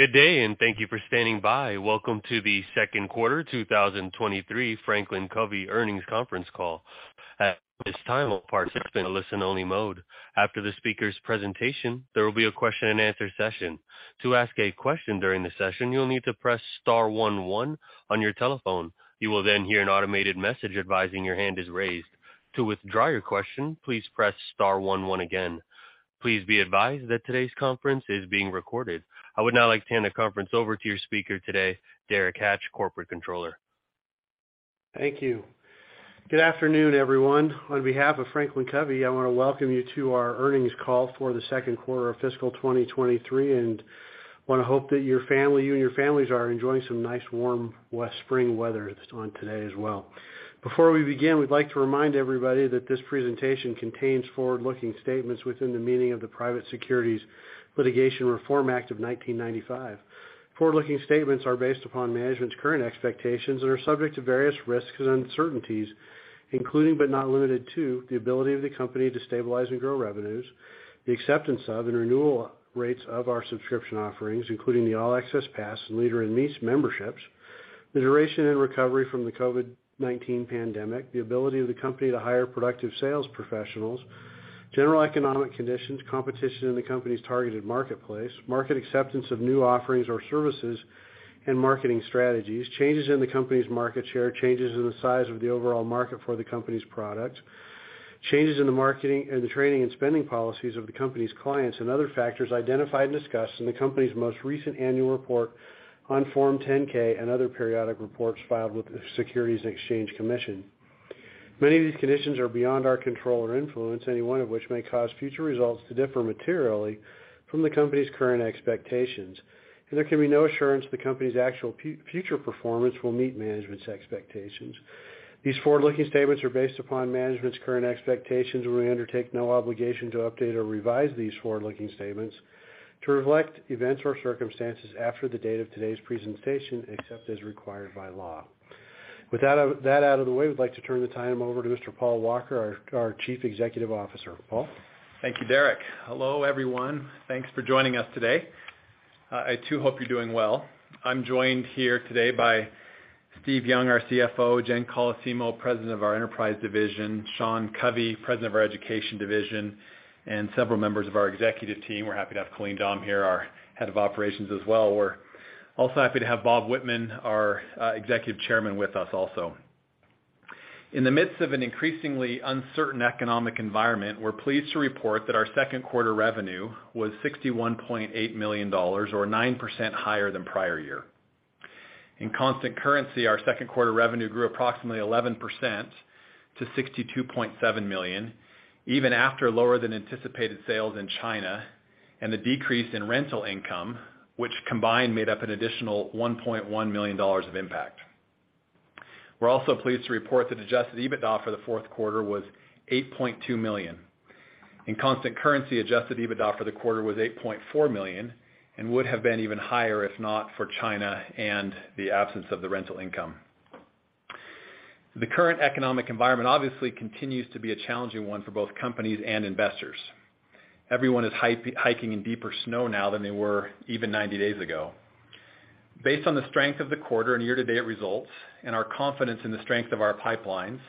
Good day. Thank you for standing by. Welcome to the second quarter 2023 FranklinCovey earnings conference call. At this time, all participants are in a listen-only mode. After the speaker's presentation, there will be a question-and-answer session. To ask a question during the session, you'll need to press star one one on your telephone. You will hear an automated message advising your hand is raised. To withdraw your question, please press star one one again. Please be advised that today's conference is being recorded. I would now like to hand the conference over to your speaker today, Derek Hatch, Corporate Controller. Thank you. Good afternoon, everyone. On behalf of FranklinCovey, I wanna welcome you to our earnings call for the second quarter of fiscal 2023, and wanna hope that you and your families are enjoying some nice warm west spring weather on today as well. Before we begin, we'd like to remind everybody that this presentation contains forward-looking statements within the meaning of the Private Securities Litigation Reform Act of 1995. Forward-looking statements are based upon management's current expectations and are subject to various risks and uncertainties, including, but not limited to, the ability of the company to stabilize and grow revenues, the acceptance of and renewal rates of our subscription offerings, including the All Access Pass and Leader in Me memberships, the duration and recovery from the COVID-19 pandemic, the ability of the company to hire productive sales professionals, general economic conditions, competition in the company's targeted marketplace, market acceptance of new offerings or services and marketing strategies, changes in the company's market share, changes in the size of the overall market for the company's product, changes in the marketing and the training and spending policies of the company's clients and other factors identified and discussed in the company's most recent annual report on Form 10-K and other periodic reports filed with the Securities and Exchange Commission. Many of these conditions are beyond our control or influence, any one of which may cause future results to differ materially from the company's current expectations, and there can be no assurance the company's actual future performance will meet management's expectations. These forward-looking statements are based upon management's current expectations, and we undertake no obligation to update or revise these forward-looking statements to reflect events or circumstances after the date of today's presentation, except as required by law. With that out of the way, we'd like to turn the time over to Mr. Paul Walker, our Chief Executive Officer. Paul? Thank you, Derek. Hello, everyone. Thanks for joining us today. I too hope you're doing well. I'm joined here today by Steve Young, our CFO, Jen Colosimo, President of our Enterprise division, Sean Covey, President of our Education division, and several members of our executive team. We're happy to have Colleen Dom here, our Head of Operations as well. We're also happy to have Bob Whitman, our Executive Chairman, with us also. In the midst of an increasingly uncertain economic environment, we're pleased to report that our second quarter revenue was $61.8 million or 9% higher than prior year. In constant currency, our second quarter revenue grew approximately 11% to $62.7 million even after lower than anticipated sales in China and the decrease in rental income, which combined made up an additional $1.1 million of impact. We're also pleased to report that Adjusted EBITDA for the fourth quarter was $8.2 million. In constant currency, Adjusted EBITDA for the quarter was $8.4 million and would have been even higher if not for China and the absence of the rental income. The current economic environment obviously continues to be a challenging one for both companies and investors. Everyone is hiking in deeper snow now than they were even 90 days ago. Based on the strength of the quarter and year-to-date results and our confidence in the strength of our pipelines,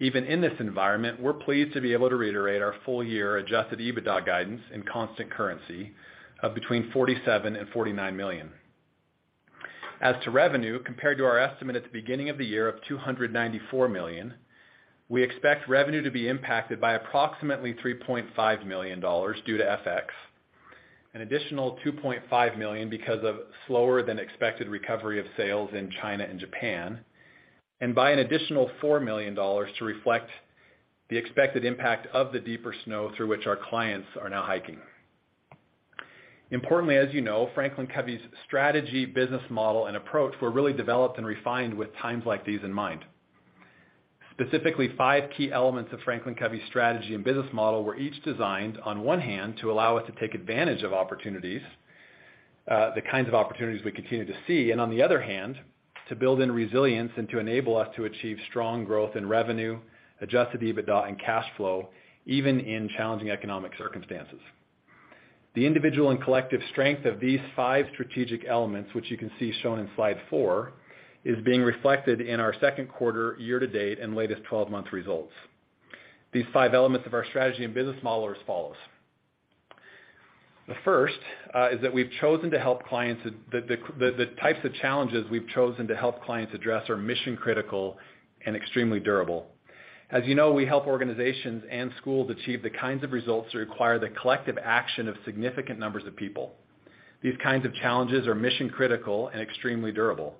even in this environment, we're pleased to be able to reiterate our full year Adjusted EBITDA guidance in constant currency of between $47 million and $49 million. As to revenue, compared to our estimate at the beginning of the year of $294 million, we expect revenue to be impacted by approximately $3.5 million due to FX, an additional $2.5 million because of slower than expected recovery of sales in China and Japan, and by an additional $4 million to reflect the expected impact of the deeper snow through which our clients are now hiking. Importantly, as you know, FranklinCovey's strategy, business model, and approach were really developed and refined with times like these in mind. Specifically, five key elements of FranklinCovey's strategy and business model were each designed, on one hand, to allow us to take advantage of opportunities, the kinds of opportunities we continue to see, and on the other hand, to build in resilience and to enable us to achieve strong growth in revenue, Adjusted EBITDA and cash flow, even in challenging economic circumstances. The individual and collective strength of these five strategic elements, which you can see shown in slide four, is being reflected in our second quarter year to date and latest 12-month results. These five elements of our strategy and business model are as follows. The first is that we've chosen to help clients. The types of challenges we've chosen to help clients address are mission-critical and extremely durable. As you know, we help organizations and schools achieve the kinds of results that require the collective action of significant numbers of people. These kinds of challenges are mission-critical and extremely durable,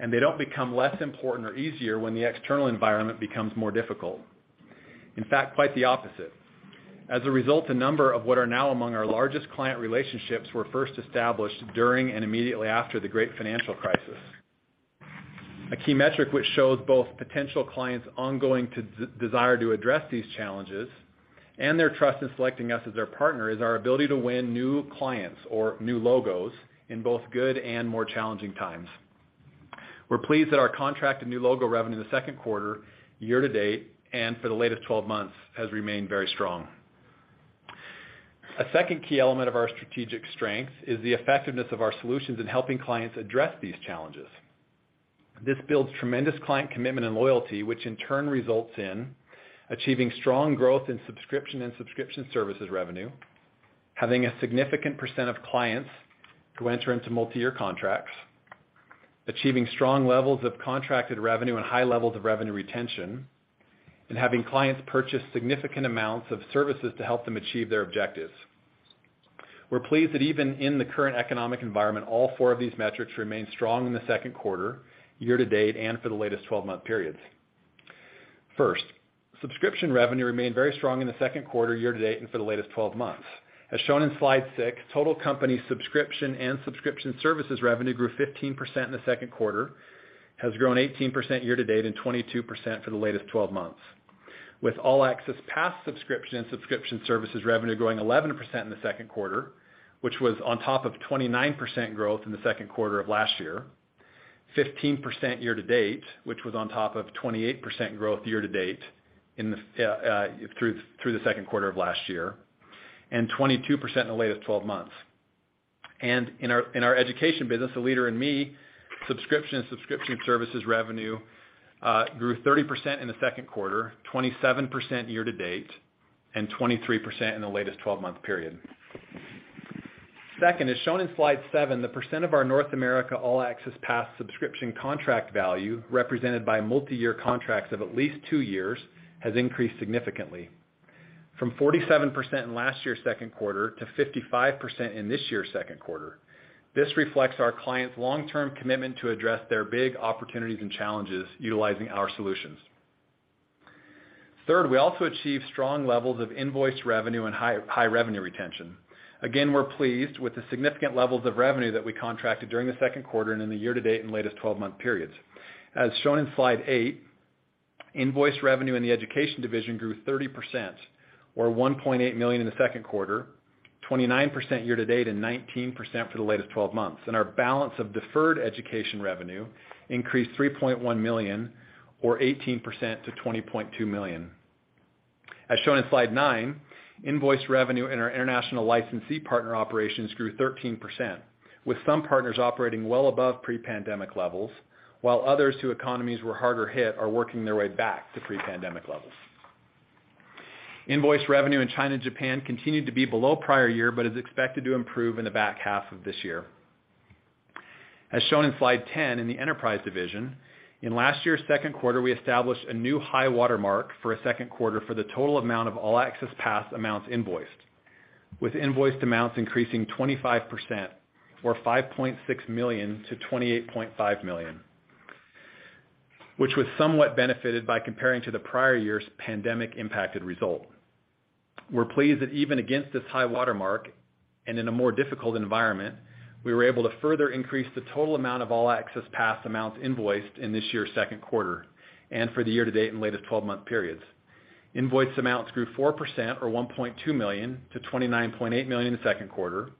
and they don't become less important or easier when the external environment becomes more difficult. In fact, quite the opposite. As a result, a number of what are now among our largest client relationships were first established during and immediately after the great financial crisis. A key metric which shows both potential clients' ongoing desire to address these challenges and their trust in selecting us as their partner is our ability to win new clients or new logos in both good and more challenging times. We're pleased that our contracted new logo revenue in the second quarter, year to date, and for the latest 12 months has remained very strong. A second key element of our strategic strength is the effectiveness of our solutions in helping clients address these challenges. This builds tremendous client commitment and loyalty, which in turn results in achieving strong growth in subscription and subscription services revenue, having a significant % of clients who enter into multi-year contracts, achieving strong levels of contracted revenue and high levels of revenue retention, and having clients purchase significant amounts of services to help them achieve their objectives. We're pleased that even in the current economic environment, all four of these metrics remain strong in the second quarter, year to date, and for the latest 12 month periods. First, subscription revenue remained very strong in the second quarter, year to date, and for the latest 12 months. As shown in Slide 6, total company subscription and subscription services revenue grew 15% in the second quarter, has grown 18% year to date, and 22% for the latest 12 months. With All Access Pass subscription and subscription services revenue growing 11% in the second quarter, which was on top of 29% growth in the second quarter of last year, 15% year to date, which was on top of 28% growth year to date through the second quarter of last year, and 22% in the latest 12 months. In our education business, a Leader in Me, subscription and subscription services revenue grew 30% in the second quarter, 27% year to date, and 23% in the latest 12 month period. Second, as shown in Slide 7, the percent of our North America All Access Pass subscription contract value, represented by multiyear contracts of at least two years, has increased significantly from 47% in last year's second quarter to 55% in this year's second quarter. This reflects our clients' long-term commitment to address their big opportunities and challenges utilizing our solutions. Third, we also achieved strong levels of invoice revenue and high revenue retention. Again, we're pleased with the significant levels of revenue that we contracted during the second quarter and in the year to date in latest 12 month periods. As shown in Slide 8, invoice revenue in the education division grew 30% or $1.8 million in the second quarter, 29% year to date, and 19% for the latest 12 months. Our balance of deferred education revenue increased $3.1 million or 18% to $20.2 million. As shown in Slide 9, invoice revenue in our international licensee partner operations grew 13%, with some partners operating well above pre-pandemic levels, while others whose economies were harder hit are working their way back to pre-pandemic levels. Invoice revenue in China and Japan continued to be below prior year, but is expected to improve in the back half of this year. As shown in Slide 10, in the enterprise division, in last year's second quarter, we established a new high watermark for a second quarter for the total amount of All Access Pass amounts invoiced, with invoiced amounts increasing 25% or $5.6 million to $28.5 million, which was somewhat benefited by comparing to the prior year's pandemic-impacted result. We're pleased that even against this high watermark and in a more difficult environment, we were able to further increase the total amount of All Access Pass amounts invoiced in this year's second quarter, and for the year to date in latest twelve-month periods. Invoiced amounts grew 4% or $1.2 million to $29.8 million in the second quarter,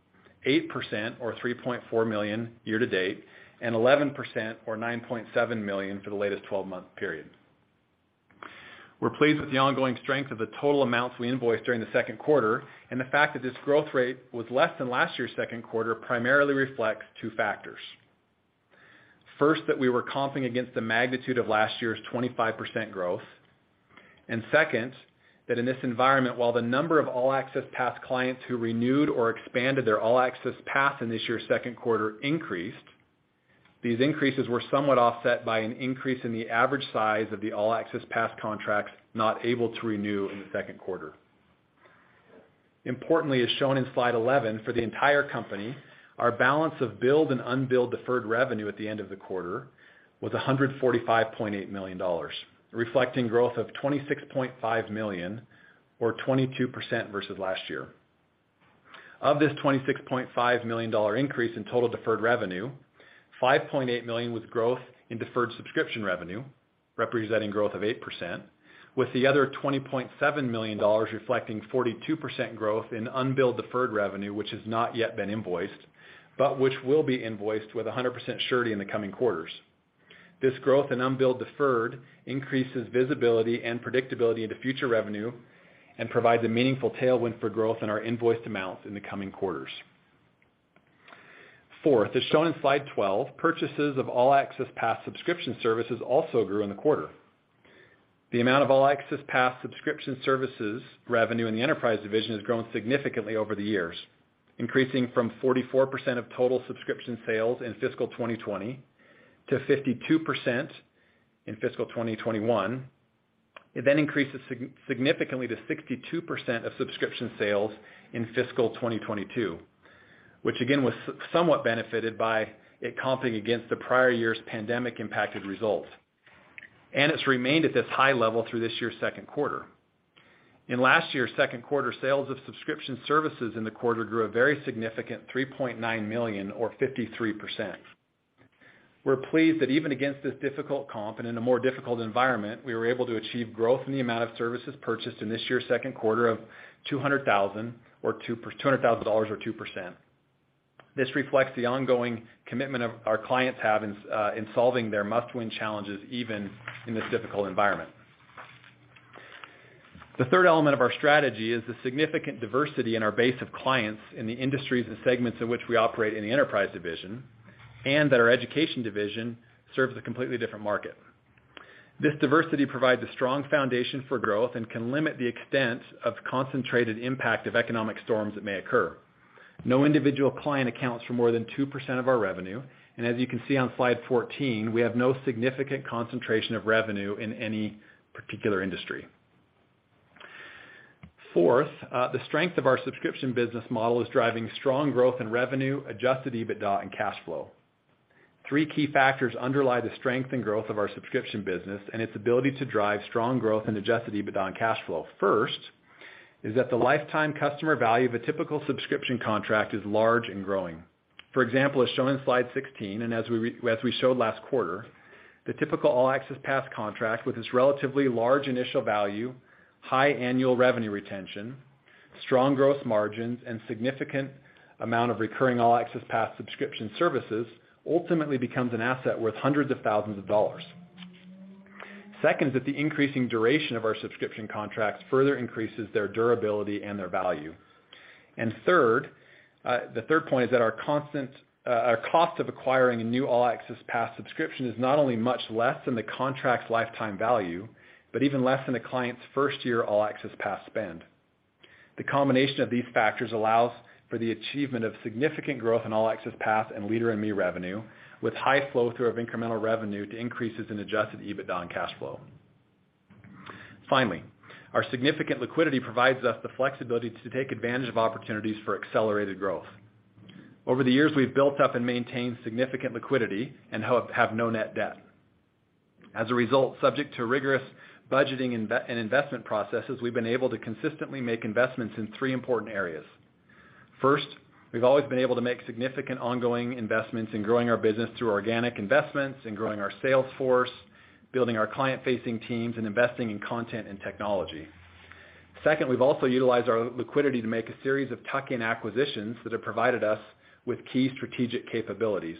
8% or $3.4 million year to date, and 11% or $9.7 million for the latest 12 month period. We're pleased with the ongoing strength of the total amounts we invoiced during the second quarter and the fact that this growth rate was less than last year's second quarter primarily reflects two factors. First, that we were comping against the magnitude of last year's 25% growth. Second, that in this environment, while the number of All Access Pass clients who renewed or expanded their All Access Pass in this year's second quarter increased, these increases were somewhat offset by an increase in the average size of the All Access Pass contracts not able to renew in the second quarter. Importantly, as shown in Slide 11, for the entire company, our balance of billed and unbilled deferred revenue at the end of the quarter was $145.8 million, reflecting growth of $26.5 million or 22% versus last year. Of this $26.5 million increase in total deferred revenue, $5.8 million was growth in deferred subscription revenue, representing growth of 8%, with the other $20.7 million reflecting 42% growth in unbilled deferred revenue, which has not yet been invoiced, but which will be invoiced with 100% surety in the coming quarters. This growth in unbilled deferred increases visibility and predictability into future revenue and provides a meaningful tailwind for growth in our invoiced amounts in the coming quarters. Fourth, as shown in Slide 12, purchases of All Access Pass subscription services also grew in the quarter. The amount of All Access Pass subscription services revenue in the enterprise division has grown significantly over the years, increasing from 44% of total subscription sales in fiscal 2020 to 52% in fiscal 2021. It then increases significantly to 62% of subscription sales in fiscal 2022, which again was somewhat benefited by it comping against the prior year's pandemic-impacted results. It's remained at this high level through this year's second quarter. In last year's second quarter, sales of subscription services in the quarter grew a very significant $3.9 million or 53%. We're pleased that even against this difficult comp and in a more difficult environment, we were able to achieve growth in the amount of services purchased in this year's second quarter of $200,000 or 2%. This reflects the ongoing commitment of our clients have in solving their must-win challenges even in this difficult environment. The third element of our strategy is the significant diversity in our base of clients in the industries and segments in which we operate in the Enterprise Division, our Education Division serves a completely different market. This diversity provides a strong foundation for growth and can limit the extent of concentrated impact of economic storms that may occur. No individual client accounts for more than 2% of our revenue, and as you can see on slide 14, we have no significant concentration of revenue in any particular industry. Fourth, the strength of our subscription business model is driving strong growth in revenue, Adjusted EBITDA and cash flow. Three key factors underlie the strength and growth of our subscription business and its ability to drive strong growth in Adjusted EBITDA and cash flow. First, is that the lifetime customer value of a typical subscription contract is large and growing. For example, as shown in slide 16, and as we showed last quarter, the typical All Access Pass contract with its relatively large initial value, high annual revenue retention, strong growth margins, and significant amount of recurring All Access Pass subscription services, ultimately becomes an asset worth hundreds of thousands of dollars. Second, that the increasing duration of our subscription contracts further increases their durability and their value. Third, the third point is that our constant, our cost of acquiring a new All Access Pass subscription is not only much less than the contract's lifetime value, but even less than a client's first year All Access Pass spend. The combination of these factors allows for the achievement of significant growth in All Access Pass and Leader in Me revenue, with high flow-through of incremental revenue to increases in Adjusted EBITDA and cash flow. Finally, our significant liquidity provides us the flexibility to take advantage of opportunities for accelerated growth. Over the years, we've built up and maintained significant liquidity and have no net debt. As a result, subject to rigorous budgeting and investment processes, we've been able to consistently make investments in three important areas. First, we've always been able to make significant ongoing investments in growing our business through organic investments, in growing our sales force, building our client-facing teams, and investing in content and technology. Second, we've also utilized our liquidity to make a series of tuck-in acquisitions that have provided us with key strategic capabilities.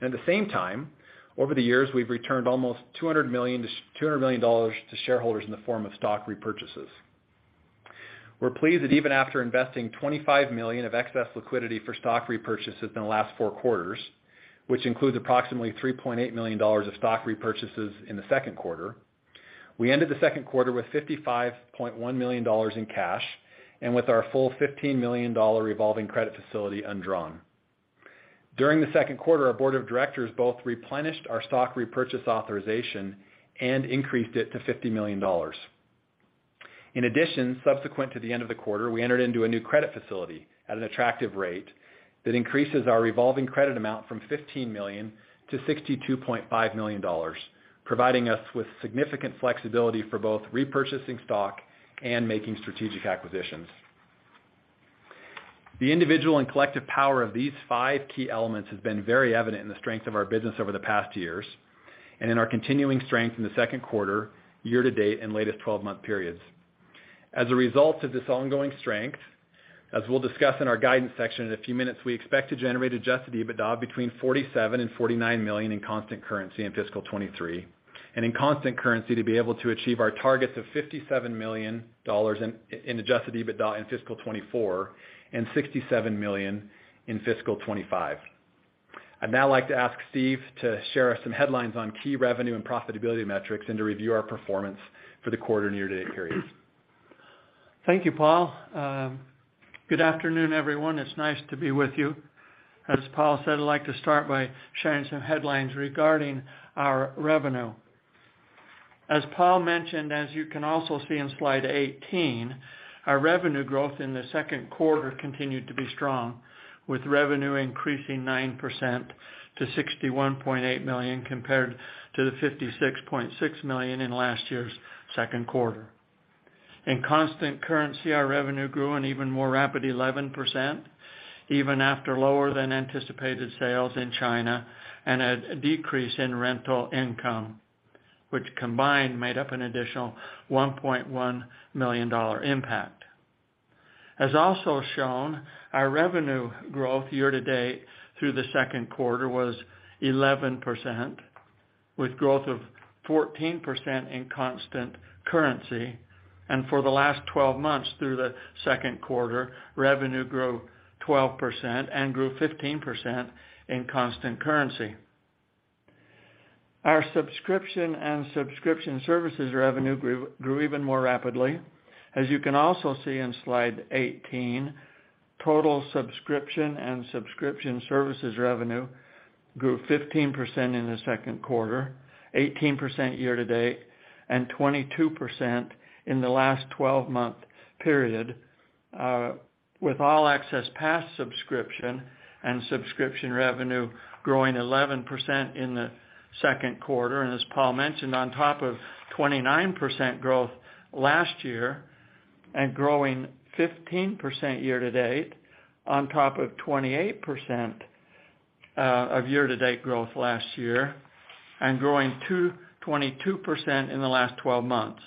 At the same time, over the years, we've returned almost $200 million to shareholders in the form of stock repurchases. We're pleased that even after investing $25 million of excess liquidity for stock repurchases in the last four quarters, which includes approximately $3.8 million of stock repurchases in the second quarter, we ended the second quarter with $55.1 million in cash, and with our full $15 million revolving credit facility undrawn. During the second quarter, our board of directors both replenished our stock repurchase authorization and increased it to $50 million. In addition, subsequent to the end of the quarter, we entered into a new credit facility at an attractive rate that increases our revolving credit amount from $15 million to $62.5 million, providing us with significant flexibility for both repurchasing stock and making strategic acquisitions. The individual and collective power of these five key elements has been very evident in the strength of our business over the past years, and in our continuing strength in the second quarter, year to date, and latest twelve-month periods. As a result of this ongoing strength, as we'll discuss in our guidance section in a few minutes, we expect to generate Adjusted EBITDA between $47 million and $49 million in constant currency in FY2023, and in constant currency to be able to achieve our targets of $57 million in Adjusted EBITDA in FY2024, and $67 million in FY2025. I'd now like to ask Steve to share us some headlines on key revenue and profitability metrics and to review our performance for the quarter and year-to-date periods. Thank you, Paul. Good afternoon, everyone. It's nice to be with you. As Paul said, I'd like to start by sharing some headlines regarding our revenue. As Paul mentioned, as you can also see in slide 18, our revenue growth in the second quarter continued to be strong, with revenue increasing 9% to $61.8 million compared to the $56.6 million in last year's second quarter. In constant currency, our revenue grew an even more rapid 11%, even after lower than anticipated sales in China and a decrease in rental income, which combined made up an additional $1.1 million impact. As also shown, our revenue growth year to date through the second quarter was 11%, with growth of 14% in constant currency. For the last 12 months through the second quarter, revenue grew 12% and grew 15% in constant currency. Our subscription and subscription services revenue grew even more rapidly. As you can also see in slide 18, total subscription and subscription services revenue grew 15% in the second quarter, 18% year to date, and 22% in the last 12 month period, with All Access Pass subscription and subscription revenue growing 11% in the second quarter. As Paul mentioned, on top of 29% growth last year, and growing 15% year to date, on top of 28% of year to date growth last year, and growing 22% in the last 12 months.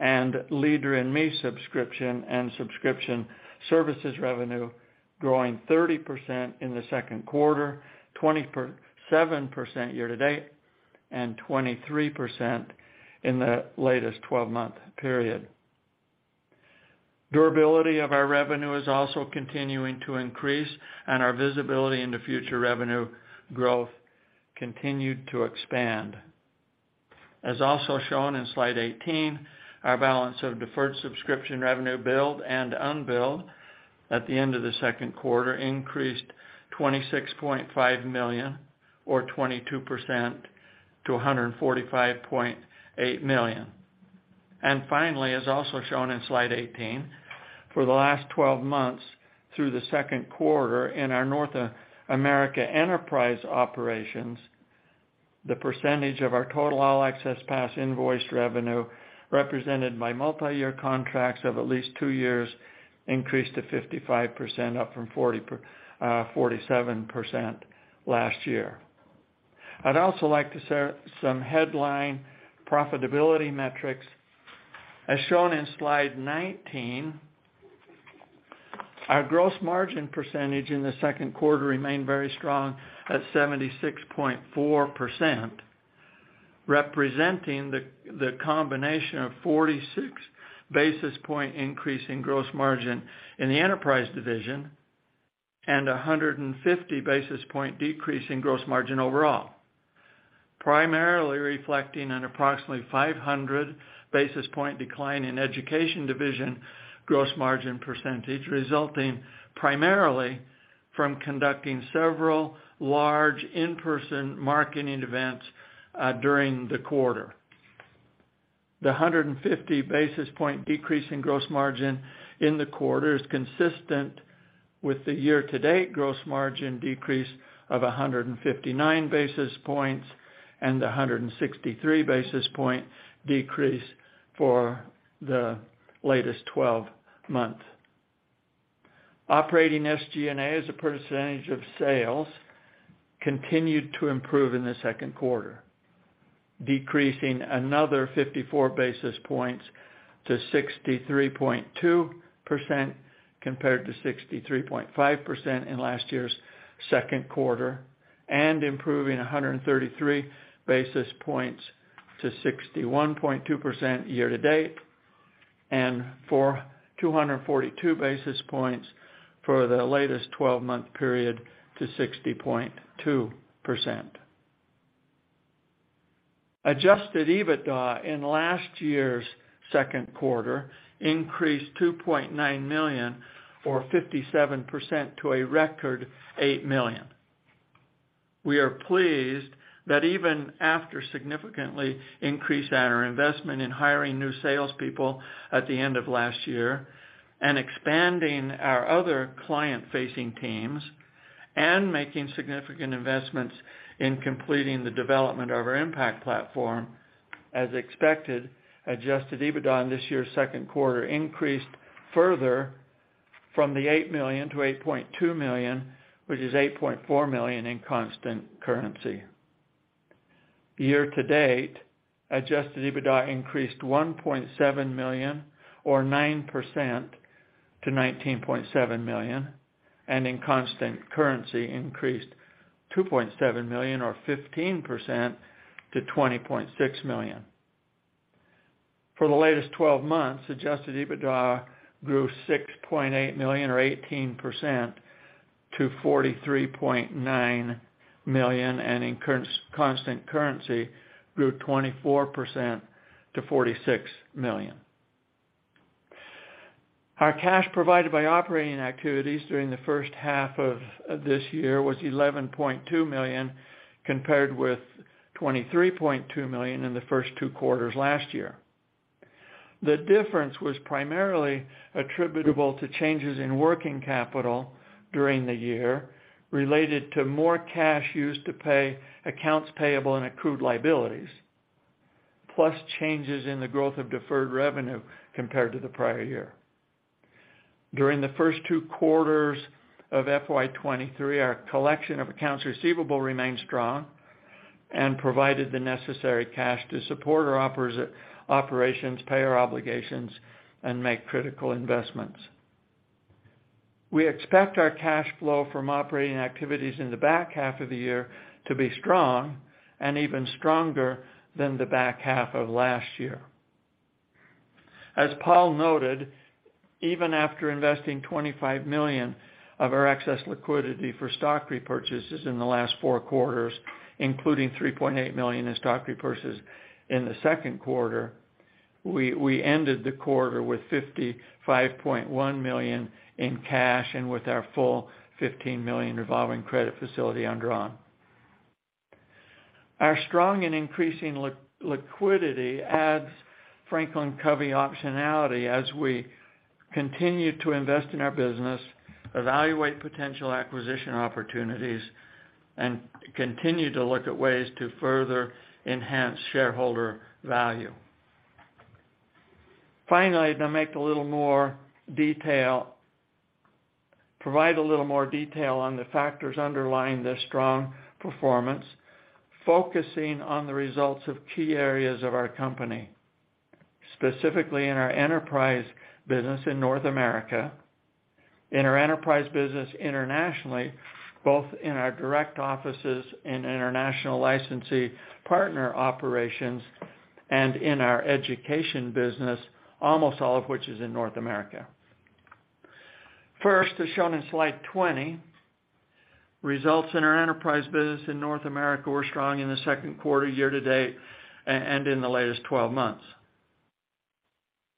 Leader in Me subscription and subscription services revenue-Growing 30% in the second quarter, 27% year-to-date, and 23% in the latest 12 month period. Durability of our revenue is also continuing to increase and our visibility into future revenue growth continued to expand. As also shown in slide 18, our balance of deferred subscription revenue billed and unbilled at the end of the second quarter increased $26.5 million, or 22% to $145.8 million. Finally, as also shown in slide 18, for the last 12 months through the second quarter in our North America enterprise operations, the percentage of our total All Access Pass invoiced revenue represented by multi-year contracts of at least two years increased to 55%, up from 47% last year. I'd also like to share some headline profitability metrics. As shown in slide 19, our gross margin percentage in the second quarter remained very strong at 76.4%, representing the combination of 46 basis point increase in gross margin in the Enterprise Division and 150 basis point decrease in gross margin overall. Primarily reflecting an approximately 500 basis point decline in Education Division gross margin percentage, resulting primarily from conducting several large in-person marketing events during the quarter. The 150 basis point decrease in gross margin in the quarter is consistent with the year-to-date gross margin decrease of 159 basis points and the 163 basis point decrease for the latest 12 months. Operating SG&A as a percentage of sales continued to improve in the second quarter, decreasing another 54 basis points to 63.2% compared to 63.5% in last year's second quarter, and improving 133 basis points to 61.2% year-to-date and for 242 basis points for the latest twelve-month period to 60.2%. Adjusted EBITDA in last year's second quarter increased $2.9 million or 57% to a record $8 million. We are pleased that even after significantly increasing our investment in hiring new salespeople at the end of last year and expanding our other client-facing teams and making significant investments in completing the development of our Impact Platform, as expected, Adjusted EBITDA in this year's second quarter increased further from $8 million to $8.2 million, which is $8.4 million in constant currency. Year to date, Adjusted EBITDA increased $1.7 million or 9% to $19.7 million, and in constant currency increased $2.7 million or 15% to $20.6 million. For the latest 12 months, Adjusted EBITDA grew $6.8 million or 18% to $43.9 million, and in constant currency grew 24% to $46 million. Our cash provided by operating activities during the first half of this year was $11.2 million compared with $23.2 million in the first two quarters last year. The difference was primarily attributable to changes in working capital during the year related to more cash used to pay accounts payable and accrued liabilities, plus changes in the growth of deferred revenue compared to the prior year. During the first two quarters of FY2023, our collection of accounts receivable remained strong and provided the necessary cash to support our operations, pay our obligations and make critical investments. We expect our cash flow from operating activities in the back half of the year to be strong and even stronger than the back half of last year. As Paul noted, even after investing $25 million of our excess liquidity for stock repurchases in the last four quarters, including $3.8 million in stock repurchases in the second quarter, we ended the quarter with $55.1 million in cash and with our full $15 million revolving credit facility undrawn. Our strong and increasing liquidity adds FranklinCovey optionality as we continue to invest in our business, evaluate potential acquisition opportunities, and continue to look at ways to further enhance shareholder value. Finally, to provide a little more detail on the factors underlying this strong performance, focusing on the results of key areas of our company. Specifically in our enterprise business in North America, in our enterprise business internationally, both in our direct offices and international licensee partner operations and in our education business, almost all of which is in North America. First, as shown in slide 20, results in our enterprise business in North America were strong in the second quarter year-to-date and in the latest 12 months.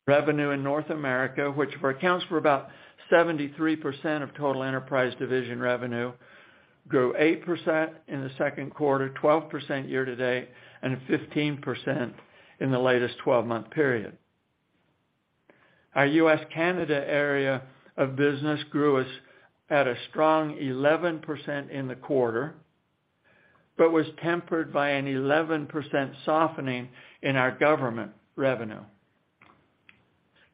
Revenue in North America, which accounts for about 73% of total Enterprise Division revenue, grew 8% in the second quarter, 12% year-to-date, and 15% in the latest 12 month period. Our U.S.-Canada area of business grew at a strong 11% in the quarter, but was tempered by an 11% softening in our government revenue.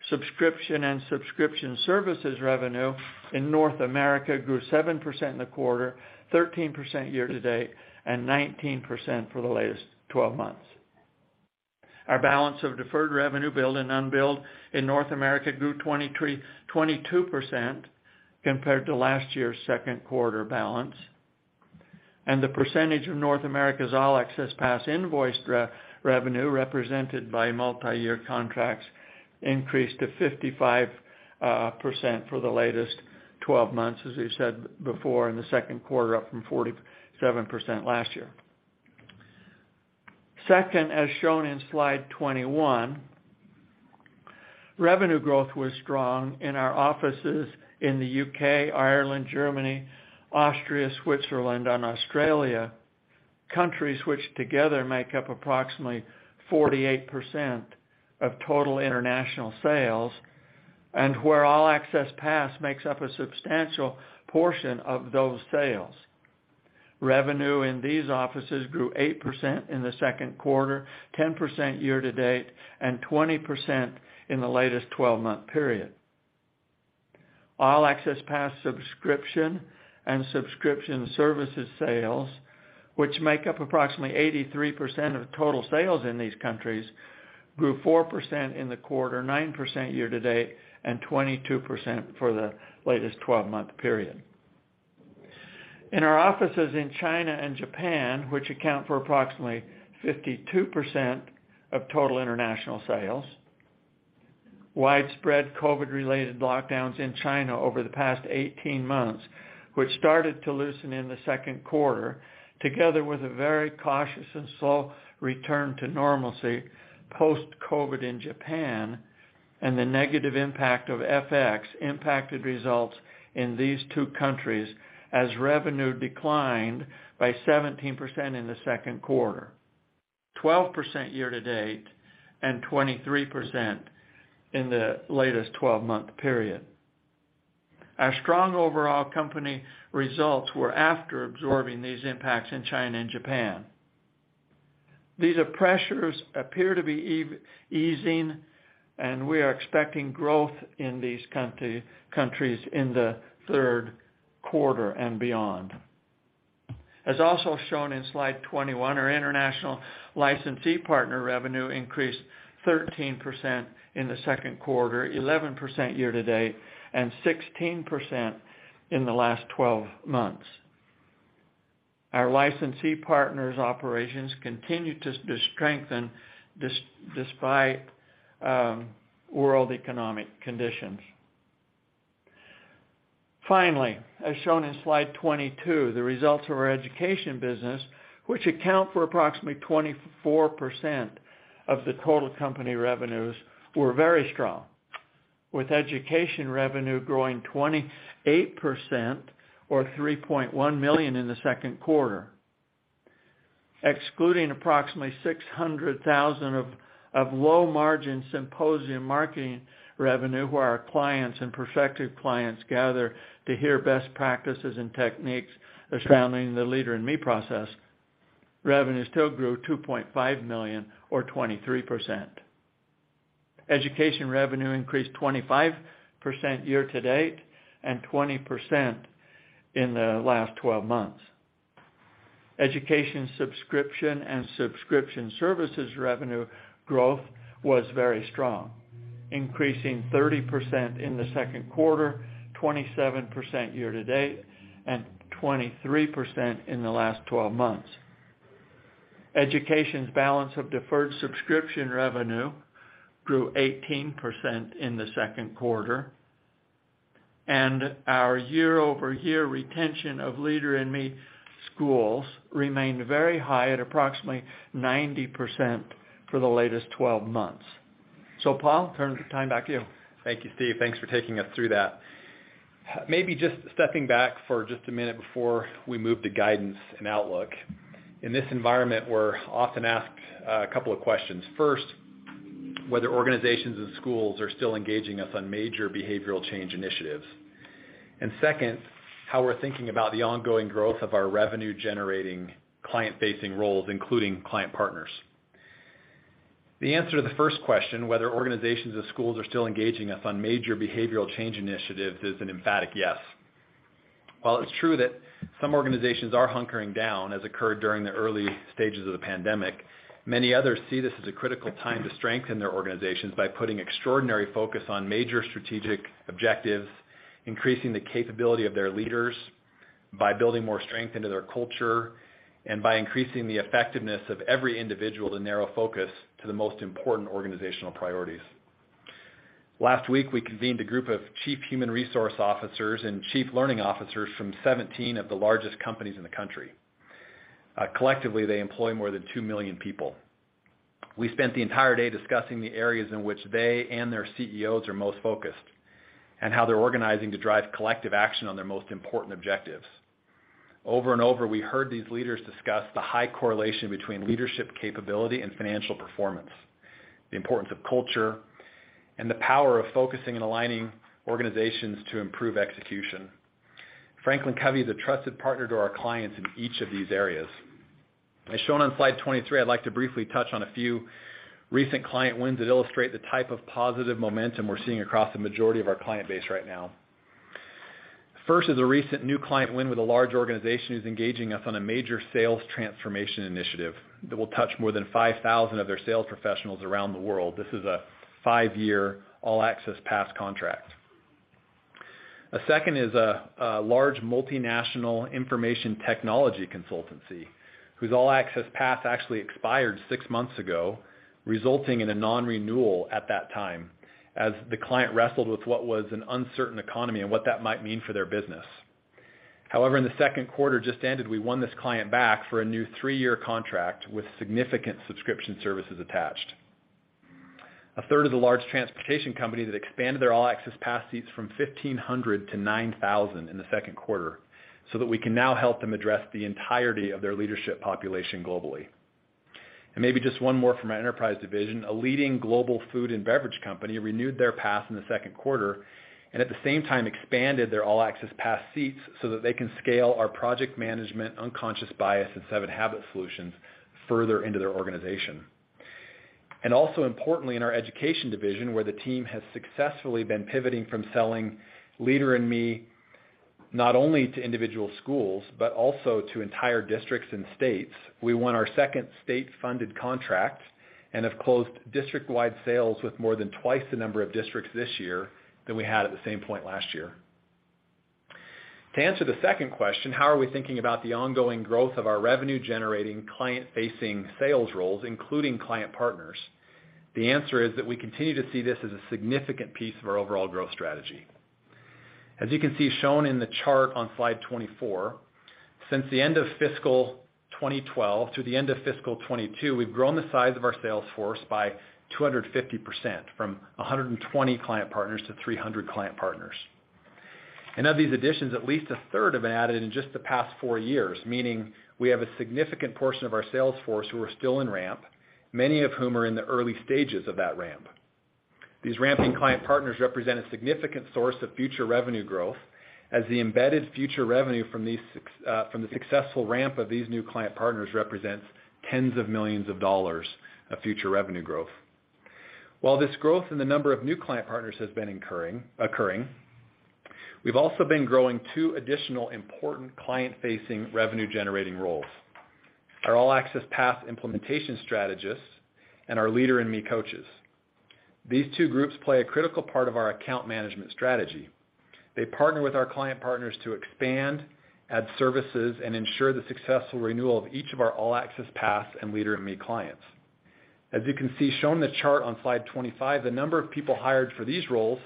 Subscription and subscription services revenue in North America grew 7% in the quarter, 13% year-to-date, and 19% for the latest 12 months. Our balance of deferred revenue billed and unbilled in North America grew 22% compared to last year's second quarter balance. The percentage of North America's All Access Pass invoiced re-revenue represented by multiyear contracts increased to 55% for the latest 12 months, as we said before in the second quarter, up from 47% last year. Second, as shown in slide 21, revenue growth was strong in our offices in the U.K., Ireland, Germany, Austria, Switzerland, and Australia, countries which together make up approximately 48% of total international sales and where All Access Pass makes up a substantial portion of those sales. Revenue in these offices grew 8% in the second quarter, 10% year-to-date, and 20% in the latest 12 month period. All Access Pass subscription and subscription services sales, which make up approximately 83% of total sales in these countries, grew 4% in the quarter, 9% year-to-date, and 22% for the latest 12 month period. In our offices in China and Japan, which account for approximately 52% of total international sales, widespread COVID-related lockdowns in China over the past 18 months, which started to loosen in the second quarter, together with a very cautious and slow return to normalcy post-COVID in Japan and the negative impact of FX impacted results in these two countries as revenue declined by 17% in the second quarter, 12% year-to-date, and 23% in the latest 12 month period. Our strong overall company results were after absorbing these impacts in China and Japan. These pressures appear to be easing, and we are expecting growth in these countries in the third quarter and beyond. As also shown in slide 21, our international licensee partner revenue increased 13% in the second quarter, 11% year-to-date, and 16% in the last 12 months. Our licensee partners' operations continue to strengthen despite world economic conditions. Finally, as shown in slide 22, the results of our education business, which account for approximately 24% of the total company revenues, were very strong, with education revenue growing 28% or $3.1 million in the second quarter. Excluding approximately $600,000 of low-margin symposium marketing revenue, where our clients and prospective clients gather to hear best practices and techniques surrounding the Leader in Me process, revenue still grew $2.5 million or 23%. Education revenue increased 25% year-to-date and 20% in the last 12 months. Education subscription and subscription services revenue growth was very strong, increasing 30% in the second quarter, 27% year-to-date, and 23% in the last 12 months. Education's balance of deferred subscription revenue grew 18% in the second quarter, and our year-over-year retention of Leader in Me schools remained very high at approximately 90% for the latest 12 months. Paul, turn the time back to you. Thank you, Steve. Thanks for taking us through that. Maybe just stepping back for just a minute before we move to guidance and outlook. In this environment, we're often asked a couple of questions. First, whether organizations and schools are still engaging us on major behavioral change initiatives. Second, how we're thinking about the ongoing growth of our revenue-generating client-facing roles, including client partners. The answer to the first question, whether organizations or schools are still engaging us on major behavioral change initiatives, is an emphatic yes. While it's true that some organizations are hunkering down, as occurred during the early stages of the pandemic, many others see this as a critical time to strengthen their organizations by putting extraordinary focus on major strategic objectives, increasing the capability of their leaders, by building more strength into their culture, and by increasing the effectiveness of every individual to narrow focus to the most important organizational priorities. Last week, we convened a group of chief human resource officers and chief learning officers from 17 of the largest companies in the country. Collectively, they employ more than two million people. We spent the entire day discussing the areas in which they and their CEOs are most focused, how they're organizing to drive collective action on their most important objectives. Over and over, we heard these leaders discuss the high correlation between leadership capability and financial performance, the importance of culture, and the power of focusing and aligning organizations to improve execution. FranklinCovey is a trusted partner to our clients in each of these areas. As shown on slide 23, I'd like to briefly touch on a few recent client wins that illustrate the type of positive momentum we're seeing across the majority of our client base right now. First is a recent new client win with a large organization who's engaging us on a major sales transformation initiative that will touch more than 5,000 of their sales professionals around the world. This is a five-year All Access Pass contract. A second is a large multinational information technology consultancy whose All Access Pass actually expired six months ago, resulting in a non-renewal at that time as the client wrestled with what was an uncertain economy and what that might mean for their business. However, in the second quarter just ended, we won this client back for a new three-year contract with significant subscription services attached. A third is a large transportation company that expanded their All Access Pass seats from 1,500 to 9,000 in the second quarter, so that we can now help them address the entirety of their leadership population globally. Maybe just one more from our Enterprise Division, a leading global food and beverage company renewed their pass in the second quarter, and at the same time expanded their All Access Pass seats so that they can scale our project management, unconscious bias, and 7 Habits solutions further into their organization. Also importantly, in our Education Division, where the team has successfully been pivoting from selling Leader in Me not only to individual schools, but also to entire districts and states, we won our second state-funded contract and have closed district-wide sales with more than two times the number of districts this year than we had at the same point last year. To answer the second question, how are we thinking about the ongoing growth of our revenue-generating, client-facing sales roles, including client partners? The answer is that we continue to see this as a significant piece of our overall growth strategy. As you can see shown in the chart on slide 24, since the end of fiscal 2012 through the end of fiscal 2022, we've grown the size of our sales force by 250%, from 120 client partners to 300 client partners. Of these additions, at least a third have been added in just the past four years, meaning we have a significant portion of our sales force who are still in ramp, many of whom are in the early stages of that ramp. These ramping client partners represent a significant source of future revenue growth as the embedded future revenue from these from the successful ramp of these new client partners represents tens of millions of dollars of future revenue growth. This growth in the number of new client partners has been occurring, we've also been growing two additional important client-facing revenue-generating roles: our All Access Pass implementation strategists and our Leader in Me coaches. These two groups play a critical part of our account management strategy. They partner with our client partners to expand, add services, and ensure the successful renewal of each of our All Access Pass and Leader in Me clients. As you can see shown in the chart on slide 25, the number of people hired for these roles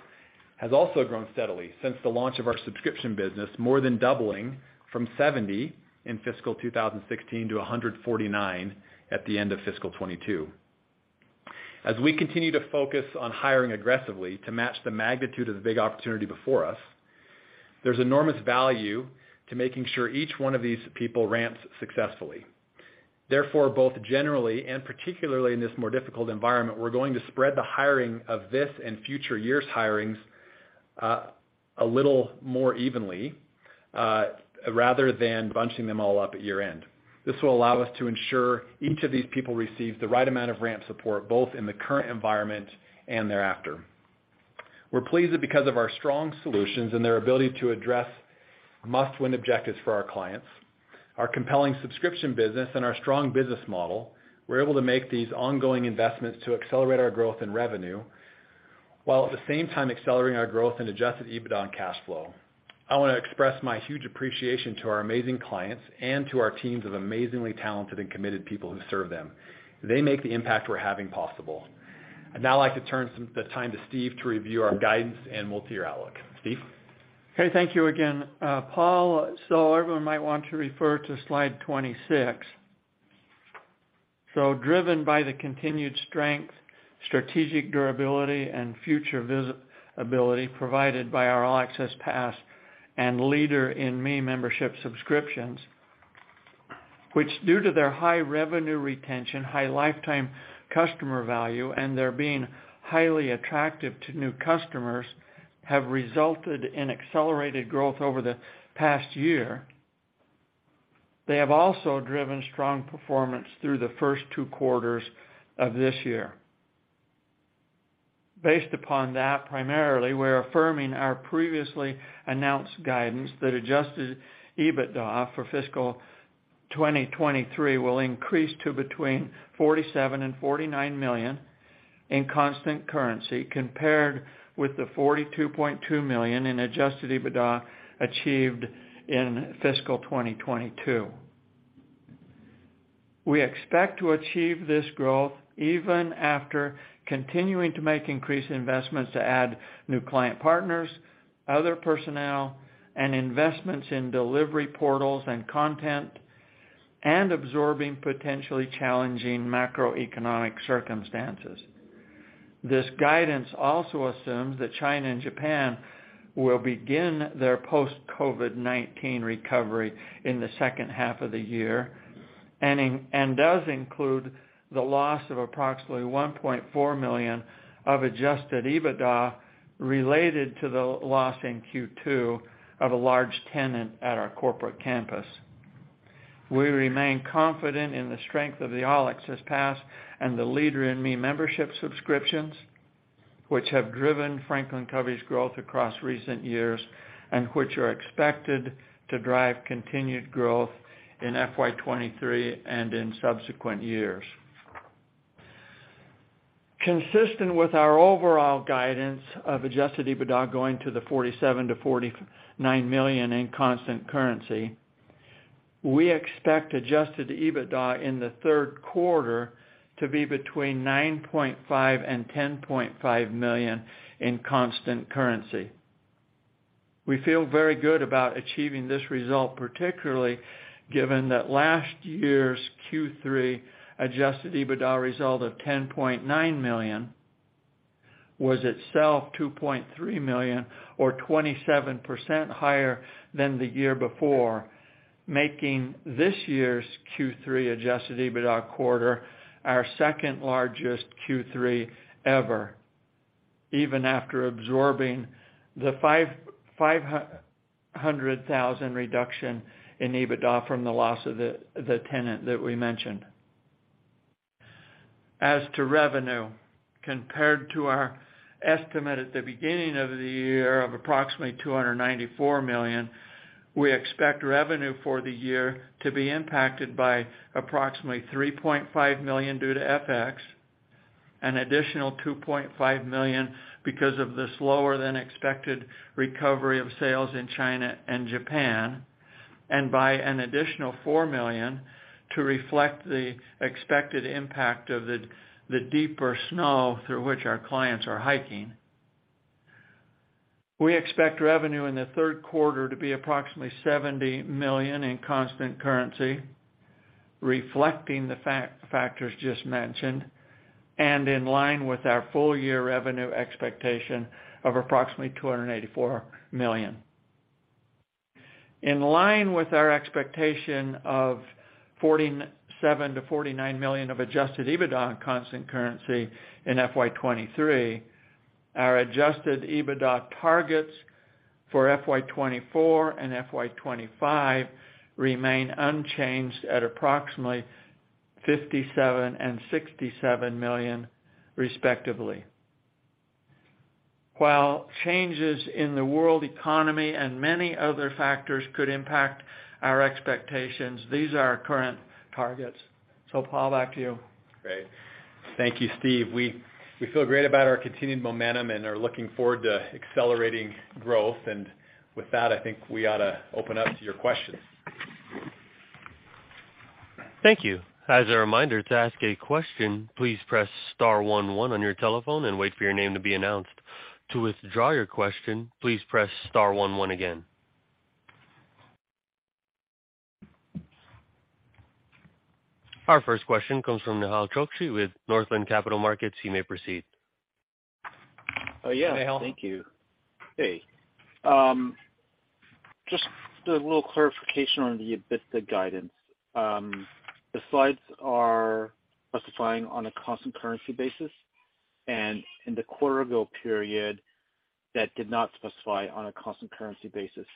has also grown steadily since the launch of our subscription business, more than doubling from 70 in FY2016 to 149 at the end of FY2022. We continue to focus on hiring aggressively to match the magnitude of the big opportunity before us, there's enormous value to making sure each one of these people ramps successfully. Both generally and particularly in this more difficult environment, we're going to spread the hiring of this and future year's hirings a little more evenly rather than bunching them all up at year-end. This will allow us to ensure each of these people receives the right amount of ramp support, both in the current environment and thereafter. We're pleased that because of our strong solutions and their ability to address must-win objectives for our clients, our compelling subscription business and our strong business model, we're able to make these ongoing investments to accelerate our growth in revenue, while at the same time accelerating our growth in Adjusted EBITDA and cash flow. I wanna express my huge appreciation to our amazing clients and to our teams of amazingly talented and committed people who serve them. They make the impact we're having possible. I'd now like to turn some of the time to Steve to review our guidance and multi-year outlook. Steve? Thank you again, Paul. Everyone might want to refer to slide 26. Driven by the continued strength, strategic durability, and future vis- ability provided by our All Access Pass and Leader in Me membership subscriptions, which due to their high revenue retention, high lifetime customer value, and their being highly attractive to new customers, have resulted in accelerated growth over the past year. They have also driven strong performance through the first 2 quarters of this year. Based upon that primarily, we're affirming our previously announced guidance that Adjusted EBITDA for fiscal 2023 will increase to between $47 million and $49 million in constant currency compared with the $42.2 million in Adjusted EBITDA achieved in fiscal 2022. We expect to achieve this growth even after continuing to make increased investments to add new client partners, other personnel, and investments in delivery portals and content, and absorbing potentially challenging macroeconomic circumstances. This guidance also assumes that China and Japan will begin their post COVID-19 recovery in the second half of the year and does include the loss of approximately $1.4 million of Adjusted EBITDA related to the loss in Q2 of a large tenant at our corporate campus. We remain confident in the strength of the All Access Pass and the Leader in Me membership subscriptions, which have driven FranklinCovey's growth across recent years and which are expected to drive continued growth in FY2023 and in subsequent years. Consistent with our overall guidance of Adjusted EBITDA going to the $47 million-$49 million in constant currency, we expect Adjusted EBITDA in the third quarter to be between $9.5 million and $10.5 million in constant currency. We feel very good about achieving this result, particularly given that last year's Q3 Adjusted EBITDA result of $10.9 million was itself $2.3 million or 27% higher than the year before, making this year's Q3 Adjusted EBITDA quarter our second-largest Q3 ever, even after absorbing the $500,000 reduction in EBITDA from the loss of the tenant that we mentioned. As to revenue, compared to our estimate at the beginning of the year of approximately $294 million, we expect revenue for the year to be impacted by approximately $3.5 million due to FX, an additional $2.5 million because of the slower than expected recovery of sales in China and Japan, and by an additional $4 million to reflect the expected impact of the deeper snow through which our clients are hiking. We expect revenue in the third quarter to be approximately $70 million in constant currency, reflecting the factors just mentioned, and in line with our full year revenue expectation of approximately $284 million. In line with our expectation of $47 million-$49 million of Adjusted EBITDA in constant currency in FY2023, our Adjusted EBITDA targets for FY2024 and FY2025 remain unchanged at approximately $57 million and $67 million, respectively. While changes in the world economy and many other factors could impact our expectations, these are our current targets. Paul, back to you. Great. Thank you, Steve. We feel great about our continued momentum and are looking forward to accelerating growth. With that, I think we ought to open up to your questions. Thank you. As a reminder to ask a question, please press star one one on your telephone and wait for your name to be announced. To withdraw your question, please press star one one again. Our first question comes from Nehal Chokshi with Northland Capital Markets. You may proceed. Oh, yeah. Nehal. Thank you. Hey. Just a little clarification on the EBITDA guidance. The slides are specifying on a constant currency basis, and in the quarter bill period, that did not specify on a constant currency basis.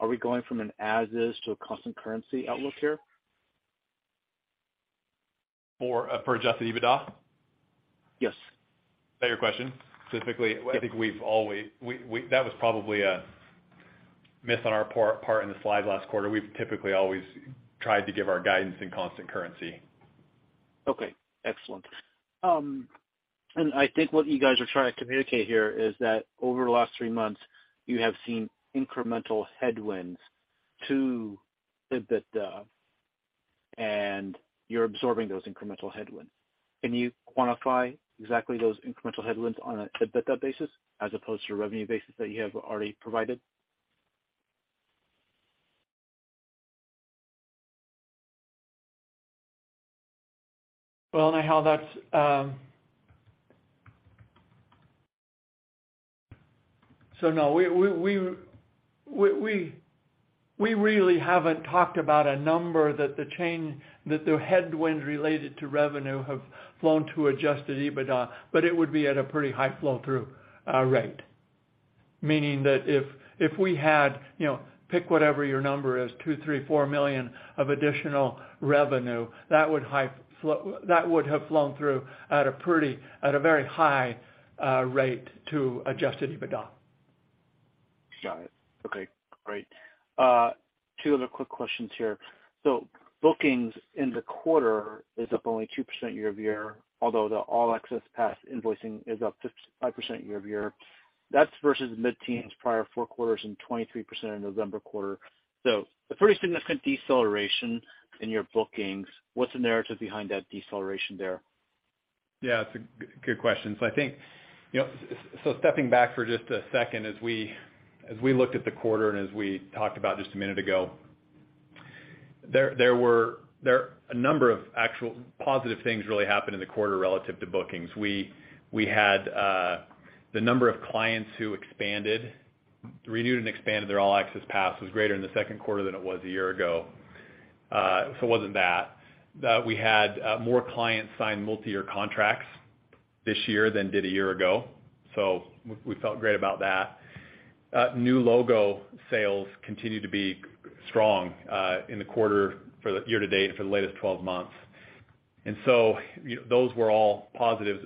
Are we going from an as is to a constant currency outlook here? For, for Adjusted EBITDA? Yes. Is that your question? Specifically. Yes. We That was probably a miss on our part in the slide last quarter. We've typically always tried to give our guidance in constant currency. Okay, excellent. I think what you guys are trying to communicate here is that over the last three months, you have seen incremental headwinds to EBITDA, and you're absorbing those incremental headwinds. Can you quantify exactly those incremental headwinds on an EBITDA basis as opposed to a revenue basis that you have already provided? Nehal, we really haven't talked about a number that the headwinds related to revenue have flown to Adjusted EBITDA, but it would be at a pretty high flow through rate. Meaning that if we had, you know, pick whatever your number is, $2 million, $3 million, $4 million of additional revenue, that would have flown through at a very high rate to Adjusted EBITDA. Got it. Okay, great. Two other quick questions here. Bookings in the quarter is up only 2% year-over-year, although the All Access Pass invoicing is up 55% year-over-year. That's versus mid-teens prior four quarters and 23% in November quarter. A pretty significant deceleration in your bookings. What's the narrative behind that deceleration there? Yeah, it's a good question. I think, you know, so stepping back for just a second, as we looked at the quarter, and as we talked about just a minute ago, there were a number of actual positive things really happened in the quarter relative to bookings. We had the number of clients who expanded, renewed and expanded their All Access Pass was greater in the second quarter than it was a year ago. It wasn't that. We had more clients sign multi-year contracts this year than did a year ago, so we felt great about that. New logo sales continued to be strong in the quarter for the year to date for the latest 12 months. You know, those were all positives.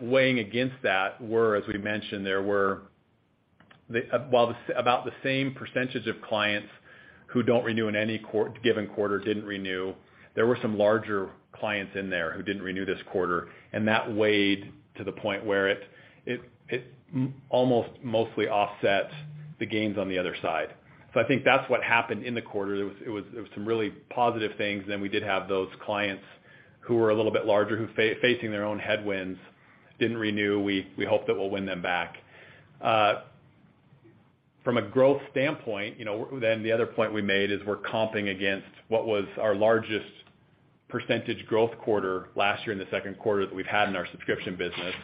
Weighing against that were, as we mentioned, there were while about the same percentage of clients who don't renew in any given quarter didn't renew, there were some larger clients in there who didn't renew this quarter, and that weighed to the point where it almost mostly offset the gains on the other side. I think that's what happened in the quarter. There was, it was some really positive things. We did have those clients who were a little bit larger, who facing their own headwinds, didn't renew. We hope that we'll win them back. From a growth standpoint, you know, the other point we made is we're comping against what was our largest percentage growth quarter last year in the second quarter that we've had in our subscription business,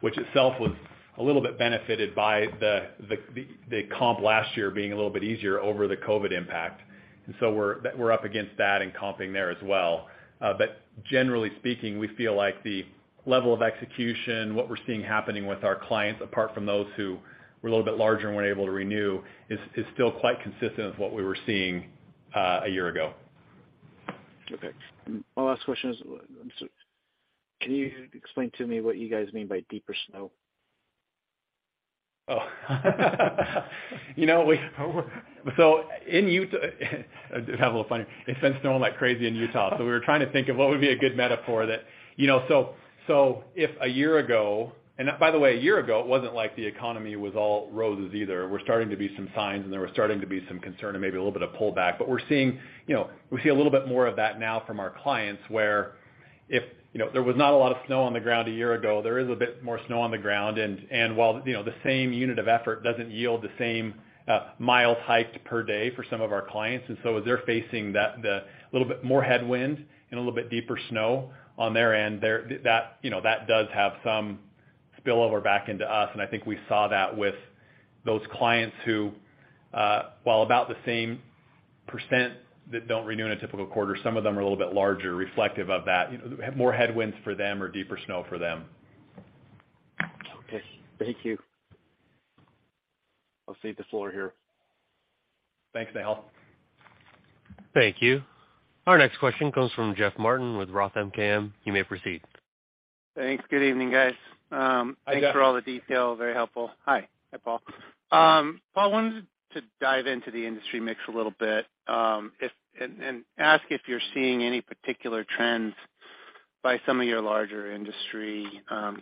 which itself was a little bit benefited by the comp last year being a little bit easier over the COVID impact. We're up against that and comping there as well. Generally speaking, we feel like the level of execution, what we're seeing happening with our clients, apart from those who were a little bit larger and weren't able to renew, is still quite consistent with what we were seeing, a year ago. My last question is, can you explain to me what you guys mean by deeper snow? You know, so in Utah it's a little funny. It's been snowing like crazy in Utah, so we were trying to think of what would be a good metaphor that, you know. If a year ago. By the way, a year ago, it wasn't like the economy was all roses either. We're starting to be some signs, and there were starting to be some concern and maybe a little bit of pullback. We're seeing, you know, we see a little bit more of that now from our clients, where if, you know, there was not a lot of snow on the ground a year ago, there is a bit more snow on the ground. While, you know, the same unit of effort doesn't yield the same miles hiked per day for some of our clients. As they're facing that, the little bit more headwind and a little bit deeper snow on their end, you know, that does have some spillover back into us. I think we saw that with those clients who, while about the same percent that don't renew in a typical quarter, some of them are a little bit larger, reflective of that. You know, more headwinds for them or deeper snow for them. Okay, thank you. I'll cede the floor here. Thanks, Nehal. Thank you. Our next question comes from Jeff Martin with Roth MKM. You may proceed. Thanks. Good evening, guys. Hi, Jeff. Thanks for all the detail. Very helpful. Hi. Hi, Paul. Paul, I wanted to dive into the industry mix a little bit, and ask if you're seeing any particular trends by some of your larger industry,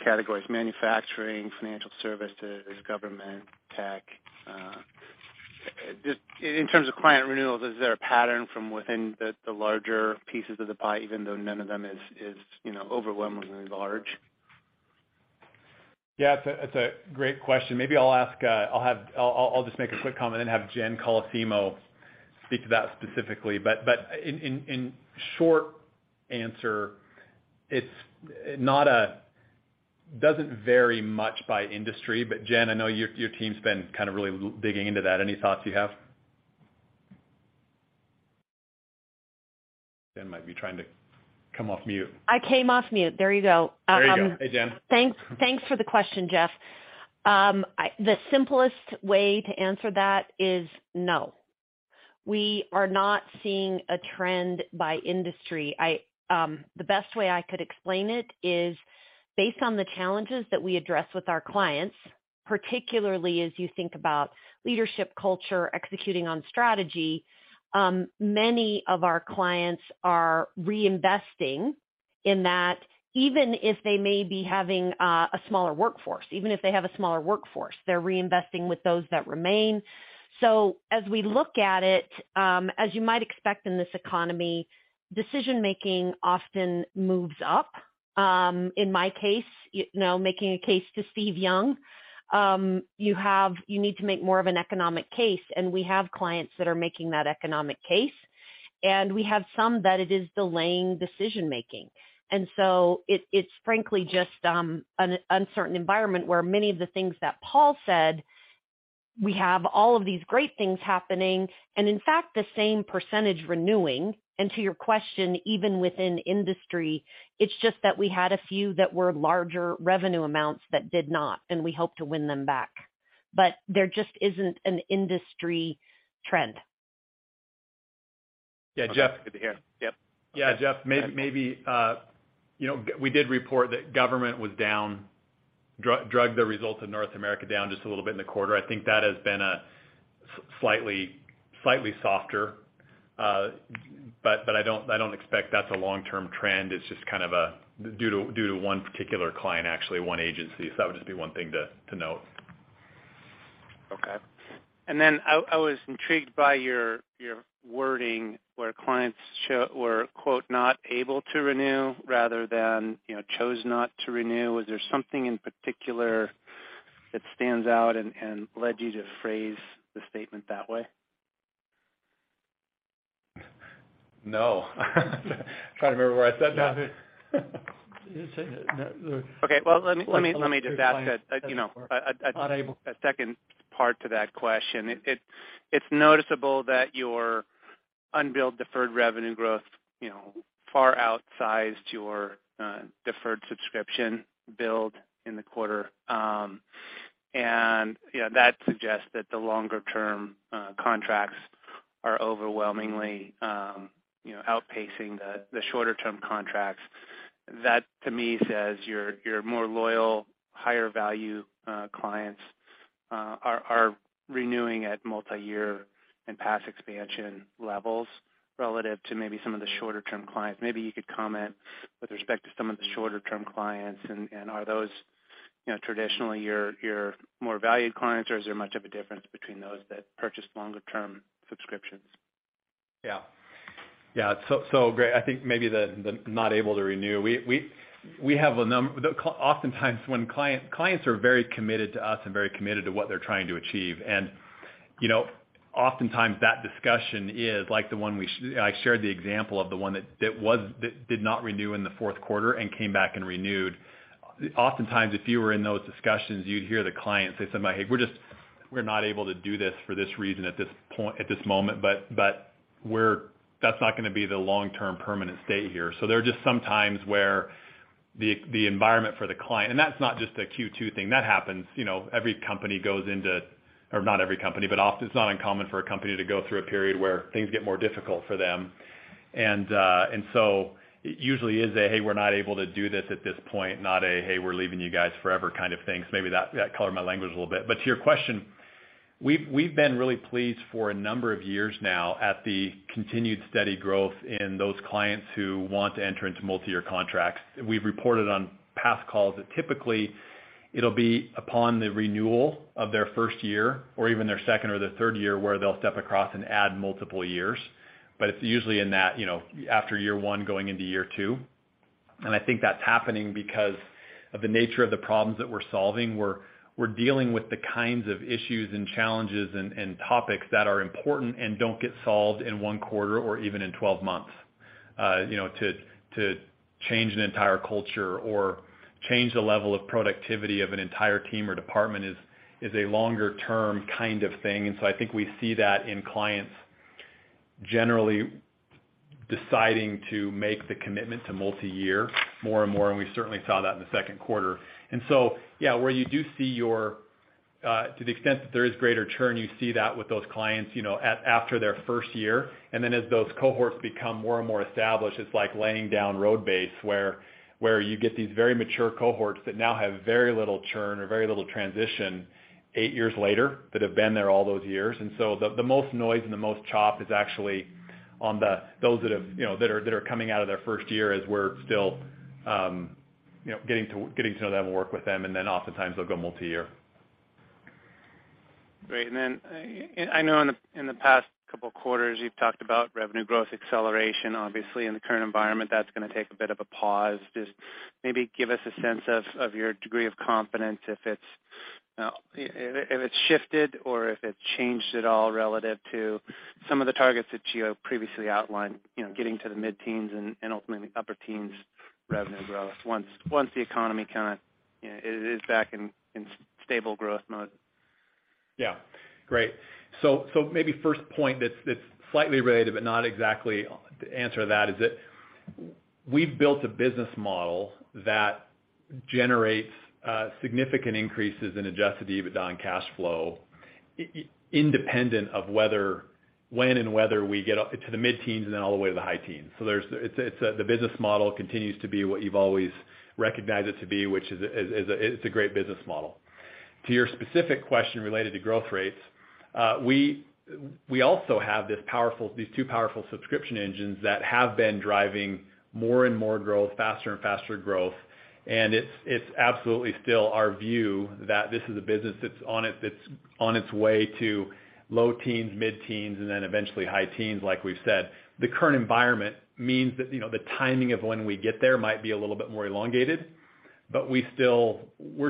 categories, manufacturing, financial services, government, tech. Just in terms of client renewals, is there a pattern from within the larger pieces of the pie, even though none of them is, you know, overwhelmingly large? Yeah, it's a great question. Maybe I'll ask, I'll just make a quick comment and have Jen Colosimo speak to that specifically. In short answer, it doesn't vary much by industry. Jen, I know your team's been kind of really digging into that. Any thoughts you have? Jen might be trying to come off mute. I came off mute. There you go. There you go. Hey, Jen. Thanks, thanks for the question, Jeff. The simplest way to answer that is no. We are not seeing a trend by industry. I, the best way I could explain it is based on the challenges that we address with our clients, particularly as you think about leadership culture, executing on strategy, many of our clients are reinvesting in that, even if they may be having a smaller workforce. Even if they have a smaller workforce, they're reinvesting with those that remain. As we look at it, as you might expect in this economy, decision-making often moves up. In my case, you know, making a case to Steve Young, you need to make more of an economic case, and we have clients that are making that economic case. We have some that it is delaying decision-making. It's frankly just an uncertain environment where many of the things that Paul said. We have all of these great things happening and in fact, the same percentage renewing. To your question, even within industry, it's just that we had a few that were larger revenue amounts that did not, and we hope to win them back. There just isn't an industry trend. Yeah, Jeff. Good to hear. Yep. Yeah, Jeff, maybe, you know, we did report that government was down the results of North America down just a little bit in the quarter. I think that has been a slightly softer, but I don't expect that's a long-term trend. It's just kind of a due to one particular client, actually, one agency. That would just be one thing to note. I was intrigued by your wording where clients were, quote, "not able to renew" rather than, you know, chose not to renew. Is there something in particular that stands out and led you to phrase the statement that way? No. Trying to remember where I said that. You said it. Okay, well, let me just ask a, you know, a second part to that question. It's noticeable that your unbilled deferred revenue growth, you know, far outsized your deferred subscription build in the quarter. You know, that suggests that the longer-term contracts are overwhelmingly, you know, outpacing the shorter-term contracts. That, to me, says your more loyal, higher value clients are renewing at multiyear and past expansion levels relative to maybe some of the shorter-term clients. Maybe you could comment with respect to some of the shorter-term clients and are those, you know, traditionally your more valued clients, or is there much of a difference between those that purchase longer-term subscriptions? Yeah. Yeah. Gray, I think maybe the not able to renew. Oftentimes when clients are very committed to us and very committed to what they're trying to achieve. You know, oftentimes that discussion is like the one I shared the example of the one that did not renew in the fourth quarter and came back and renewed. Oftentimes, if you were in those discussions, you'd hear the client say something like, "Hey, we're not able to do this for this reason at this moment, but that's not gonna be the long-term permanent state here." There are just some times where the environment for the client. That's not just a Q2 thing, that happens, you know, every company goes into. Not every company, but it's not uncommon for a company to go through a period where things get more difficult for them. It usually is a, "Hey, we're not able to do this at this point," not a, "Hey, we're leaving you guys forever," kind of thing. Maybe that colored my language a little bit. To your question, we've been really pleased for a number of years now at the continued steady growth in those clients who want to enter into multi-year contracts. We've reported on past calls that typically it'll be upon the renewal of their first year or even their second or their third year, where they'll step across and add multiple years. It's usually in that, you know, after year one going into year two. I think that's happening because of the nature of the problems that we're solving. We're dealing with the kinds of issues and challenges and topics that are important and don't get solved in one quarter or even in 12 months. You know, to change an entire culture or change the level of productivity of an entire team or department is a longer-term kind of thing. I think we see that in clients generally deciding to make the commitment to multi-year more and more, and we certainly saw that in the second quarter. Yeah, where you do see your, to the extent that there is greater churn, you see that with those clients, you know, after their 1st year. As those cohorts become more and more established, it's like laying down road base where you get these very mature cohorts that now have very little churn or very little transition eight years later that have been there all those years. The most noise and the most chop is actually on the, those that have, you know, that are coming out of their first year as we're still, you know, getting to know them and work with them, and then oftentimes they'll go multi-year. Great. I know in the, in the past couple of quarters, you've talked about revenue growth acceleration. Obviously, in the current environment, that's gonna take a bit of a pause. Just maybe give us a sense of your degree of confidence if it's, if it, if it's shifted or if it changed at all relative to some of the targets that Gio previously outlined, you know, getting to the mid-teens and ultimately upper teens revenue growth once the economy kinda, you know, is back in stable growth mode? Great. Maybe first point that's slightly related but not exactly the answer to that is that we've built a business model that generates significant increases in Adjusted EBITDA and cash flow independent of whether when and whether we get up to the mid-teens and then all the way to the high teens. It's a. The business model continues to be what you've always recognized it to be, which is a great business model. To your specific question related to growth rates, we also have these two powerful subscription engines that have been driving more and more growth, faster and faster growth. It's absolutely still our view that this is a business that's on its way to low teens, mid-teens, and then eventually high teens, like we've said. The current environment means that, you know, the timing of when we get there might be a little bit more elongated, we're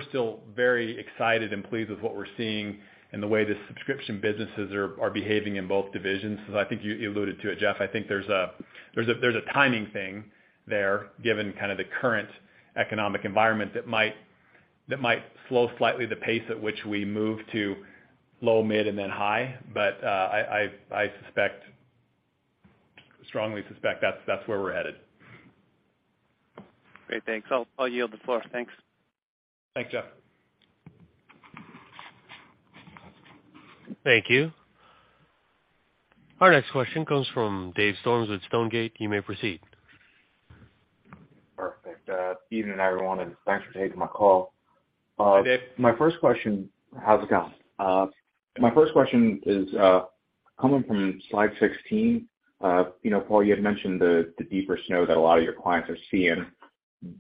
still very excited and pleased with what we're seeing and the way the subscription businesses are behaving in both divisions. I think you alluded to it, Jeff. I think there's a timing thing there, given kind of the current economic environment that might slow slightly the pace at which we move to low, mid, and then high. I strongly suspect that's where we're headed. Great. Thanks. I'll yield the floor. Thanks. Thanks, Jeff. Thank you. Our next question comes from David Storms with Stonegate. You may proceed. Perfect. evening, everyone, and thanks for taking my call. Hi, Dave. My first question. How's it going? My first question is coming from slide 16. You know, Paul, you had mentioned the deeper snow that a lot of your clients are seeing.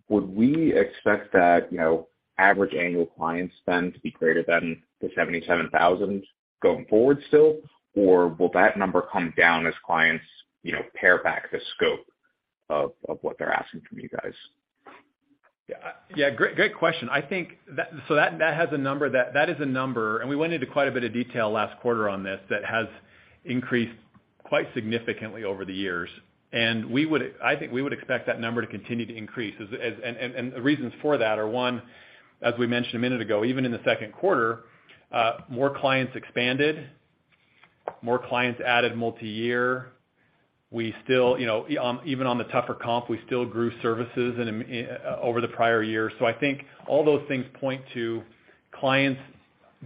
Would we expect that, you know, average annual client spend to be greater than the $77,000 going forward still? Will that number come down as clients, you know, pare back the scope of what they're asking from you guys? Yeah. Yeah, great question. I think that has a number, that is a number, and we went into quite a bit of detail last quarter on this, that has increased quite significantly over the years. We would, I think we would expect that number to continue to increase as. The reasons for that are, one, as we mentioned a minute ago, even in the second quarter, more clients expanded, more clients added multi-year. We still, you know, even on the tougher comp, we still grew services over the prior year. I think all those things point to clients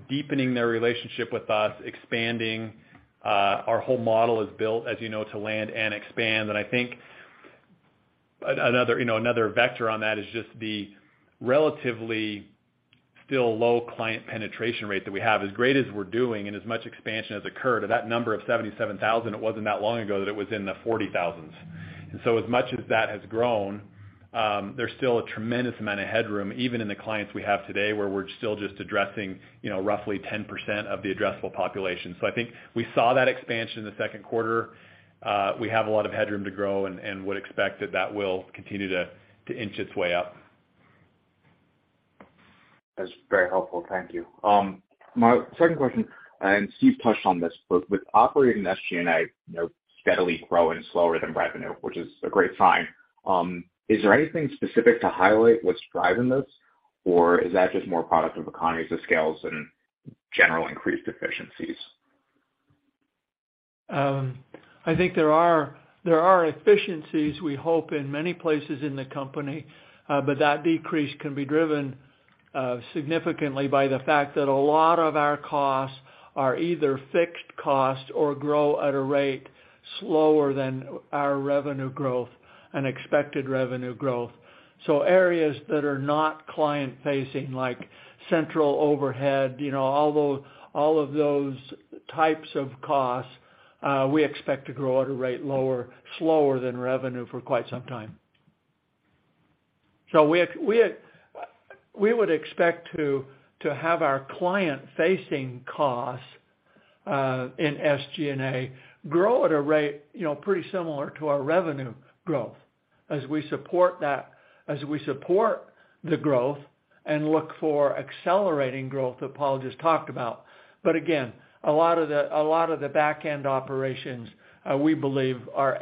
deepening their relationship with us, expanding. Our whole model is built, as you know, to land and expand. I think another, you know, another vector on that is just the relatively still low client penetration rate that we have. As great as we're doing and as much expansion has occurred, at that number of 77,000, it wasn't that long ago that it was in the 40,000s. As much as that has grown, there's still a tremendous amount of headroom, even in the clients we have today, where we're still just addressing, you know, roughly 10% of the addressable population. I think we saw that expansion in the second quarter. We have a lot of headroom to grow and would expect that that will continue to inch its way up. That's very helpful. Thank you. My second question, and Steve touched on this, but with operating SG&A, you know, steadily growing slower than revenue, which is a great sign, is there anything specific to highlight what's driving this? Or is that just more product of economies of scale and general increased efficiencies? I think there are efficiencies we hope in many places in the company, that decrease can be driven significantly by the fact that a lot of our costs are either fixed costs or grow at a rate slower than our revenue growth and expected revenue growth. Areas that are not client-facing, like central overhead, you know, all of those types of costs, we expect to grow at a rate slower than revenue for quite some time. We would expect to have our client-facing costs in SG&A grow at a rate, you know, pretty similar to our revenue growth as we support that, as we support the growth and look for accelerating growth that Paul just talked about. Again, a lot of the back-end operations, we believe are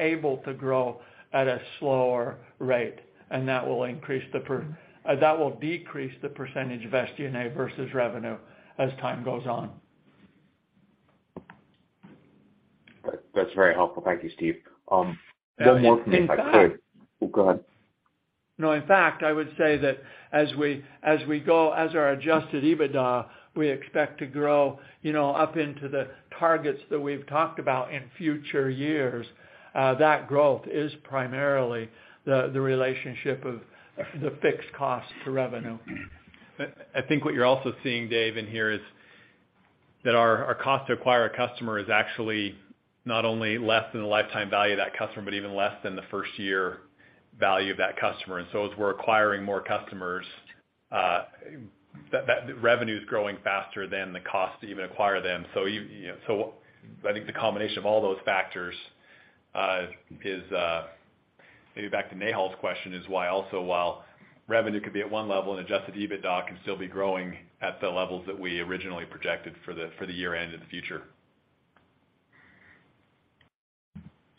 able to grow at a slower rate, and that will decrease the % of SG&A versus revenue as time goes on. That's very helpful. Thank you, Steve. One more for me, if I could. In fact- Oh, go ahead. No, in fact, I would say that as we go, as our Adjusted EBITDA, we expect to grow, you know, up into the targets that we've talked about in future years, that growth is primarily the relationship of the fixed cost to revenue. I think what you're also seeing, Dave Storms, in here is that our cost to acquire a customer is actually not only less than the lifetime value of that customer, but even less than the first year value of that customer. As we're acquiring more customers, that revenue is growing faster than the cost to even acquire them. You know, I think the combination of all those factors is maybe back to Nehal's question, is why also while revenue could be at one level and Adjusted EBITDA can still be growing at the levels that we originally projected for the year-end in the future.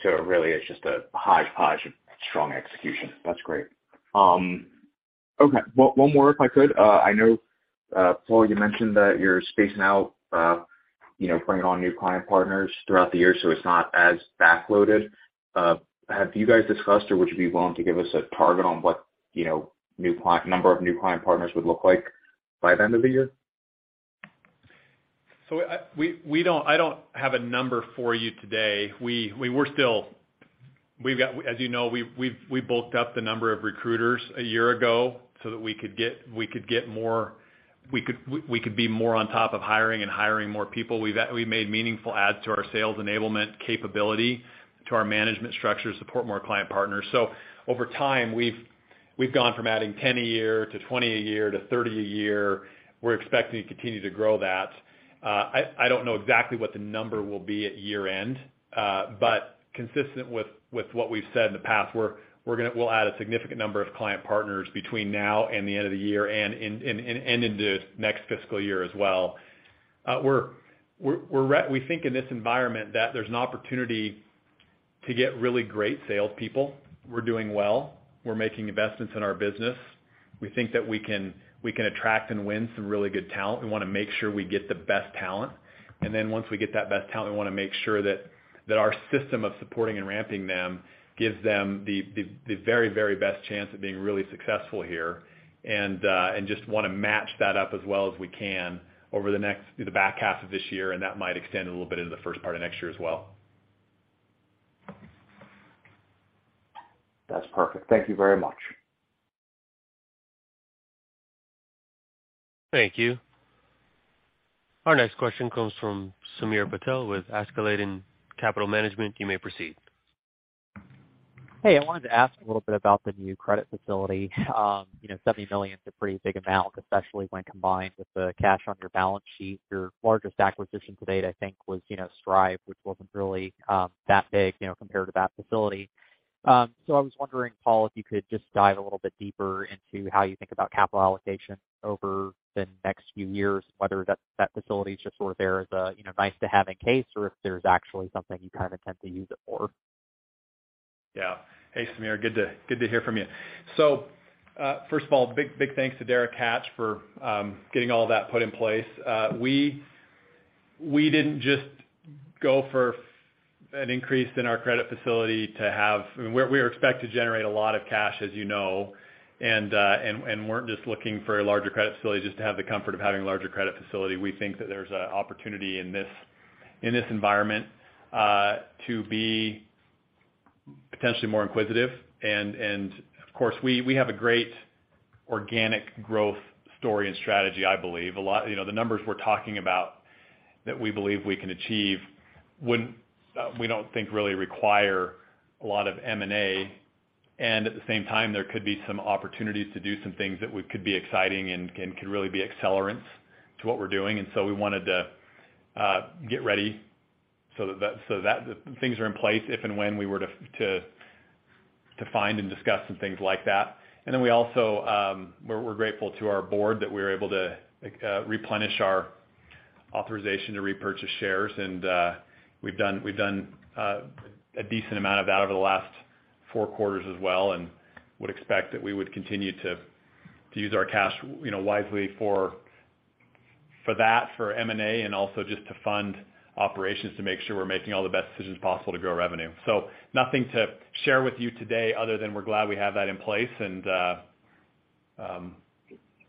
Really it's just a hodgepodge of strong execution. That's great. Okay. One more if I could. I know, Paul, you mentioned that you're spacing out, you know, bringing on new client partners throughout the year, so it's not as backloaded. Have you guys discussed or would you be willing to give us a target on what, you know, number of new client partners would look like by the end of the year? I don't have a number for you today. We've got, as you know, we bulked up the number of recruiters a year ago so that we could get more, we could be more on top of hiring and hiring more people. We've made meaningful adds to our sales enablement capability, to our management structure to support more client partners. Over time, we've gone from adding 10 a year to 20 a year to 30 a year. We're expecting to continue to grow that. I don't know exactly what the number will be at year-end, but consistent with what we've said in the past, we'll add a significant number of client partners between now and the end of the year and into next fiscal year as well. We think in this environment that there's an opportunity to get really great salespeople. We're doing well. We're making investments in our business. We think that we can attract and win some really good talent. We wanna make sure we get the best talent. Once we get that best talent, we wanna make sure that our system of supporting and ramping them gives them the very best chance at being really successful here. just wanna match that up as well as we can over the back half of this year, and that might extend a little bit into the first part of next year as well. That's perfect. Thank you very much. Thank you. Our next question comes from Samir Patel with Sylebra Capital Management. You may proceed. Hey, I wanted to ask a little bit about the new credit facility. you know, $70 million is a pretty big amount, especially when combined with the cash on your balance sheet. Your largest acquisition to date, I think was, you know, Strive, which wasn't really, that big, you know, compared to that facility. I was wondering, Paul, if you could just dive a little bit deeper into how you think about capital allocation over the next few years, whether that facility is just sort of there as a, you know, nice to have in case or if there's actually something you kind of intend to use it for. Yeah. Hey, Samir, good to hear from you. First of all, big thanks to Derek Hatch for getting all that put in place. We didn't just go for an increase in our credit facility to have-- I mean, we expect to generate a lot of cash, as you know, and weren't just looking for a larger credit facility just to have the comfort of having a larger credit facility. We think that there's a opportunity in this, in this environment, to be potentially more inquisitive. Of course, we have a great organic growth story and strategy, I believe. A lot-- You know, the numbers we're talking about that we believe we can achieve wouldn't-- we don't think really require a lot of M&A. At the same time, there could be some opportunities to do some things that could be exciting and could really be accelerants to what we're doing. We wanted to get ready so that things are in place if and when we were to find and discuss some things like that. Then we also we're grateful to our board that we're able to replenish our authorization to repurchase shares. We've done a decent amount of that over the last four quarters as well, and would expect that we would continue to use our cash, you know, wisely for that, for M&A, and also just to fund operations to make sure we're making all the best decisions possible to grow revenue. Nothing to share with you today other than we're glad we have that in place, and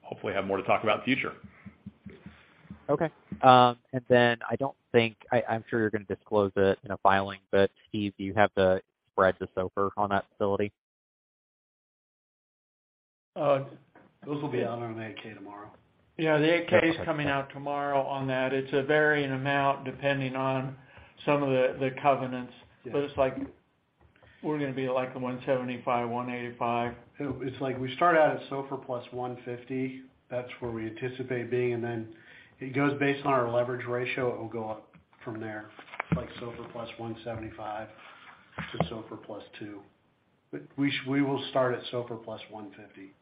hopefully have more to talk about in future. Okay. I don't think. I'm sure you're gonna disclose it in a filing. Steve, do you have the spreads of SOFR on that facility? Those will be out on our 8-K tomorrow. Yeah, the 8-K is coming out tomorrow on that. It's a varying amount depending on some of the covenants. It's like we're gonna be like the $175-$185. It's like we start out at SOFR +150. That's where we anticipate being, and then it goes based on our leverage ratio, it will go up from there, like SOFR plus 175 to SOFR plus two. We will start at SOFR +150.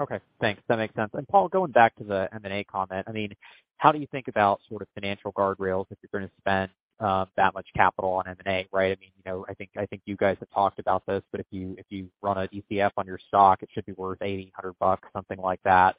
Okay, thanks. That makes sense. Paul, going back to the M&A comment, I mean, how do you think about sort of financial guardrails if you're gonna spend, that much capital on M&A, right? I mean, you know, I think you guys have talked about this, but if you, if you run a DCF on your stock, it should be worth $8,000, something like that.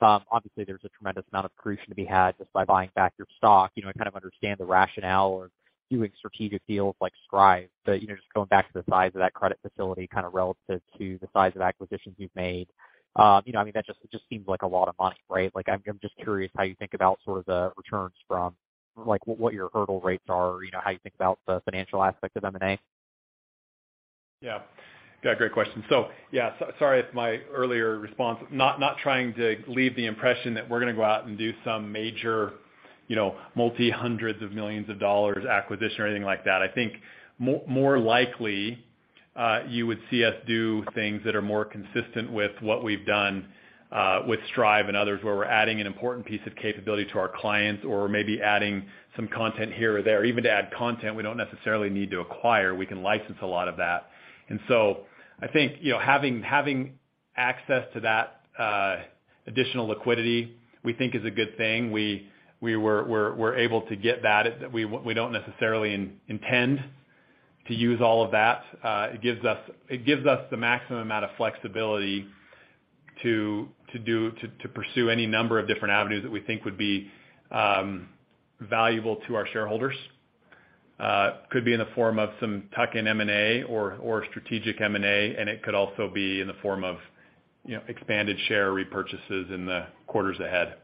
obviously, there's a tremendous amount of accretion to be had just by buying back your stock. You know, I kind of understand the rationale of doing strategic deals like Strive. You know, just going back to the size of that credit facility kinda relative to the size of acquisitions you've made, you know, I mean, that just seems like a lot of money, right? Like, I'm just curious how you think about sort of the returns from, like, what your hurdle rates are or, you know, how you think about the financial aspect of M&A. Yeah. Yeah, great question. Yeah, sorry if my earlier response... Not trying to leave the impression that we're going to go out and do some major, you know, multi-hundreds of millions of dollars acquisition or anything like that. I think more likely, you would see us do things that are more consistent with what we've done with Strive and others, where we're adding an important piece of capability to our clients or maybe adding some content here or there. Even to add content, we don't necessarily need to acquire, we can license a lot of that. I think, you know, having access to that additional liquidity, we think is a good thing. We're able to get that. We don't necessarily intend to use all of that. it gives us the maximum amount of flexibility to pursue any number of different avenues that we think would be valuable to our shareholders. Could be in the form of some tuck-in M&A or strategic M&A. It could also be in the form of, you know, expanded share repurchases in the quarters ahead.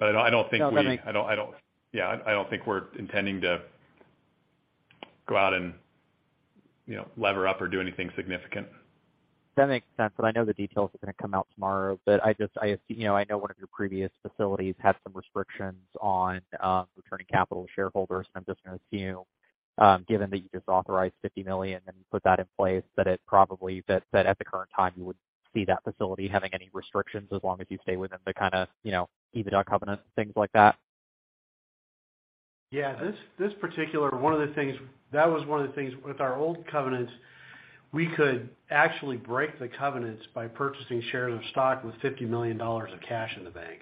I don't think we. No, that makes- I don't think we're intending to go out and, you know, lever up or do anything significant. That makes sense. I know the details are gonna come out tomorrow, you know, I know one of your previous facilities had some restrictions on returning capital to shareholders. I'm just gonna assume, given that you just authorized $50 million and you put that in place, that at the current time, you wouldn't see that facility having any restrictions as long as you stay within the kinda, you know, EBITDA covenants, things like that. Yeah. This particular, one of the things, that was one of the things with our old covenants, we could actually break the covenants by purchasing shares of stock with $50 million of cash in the bank.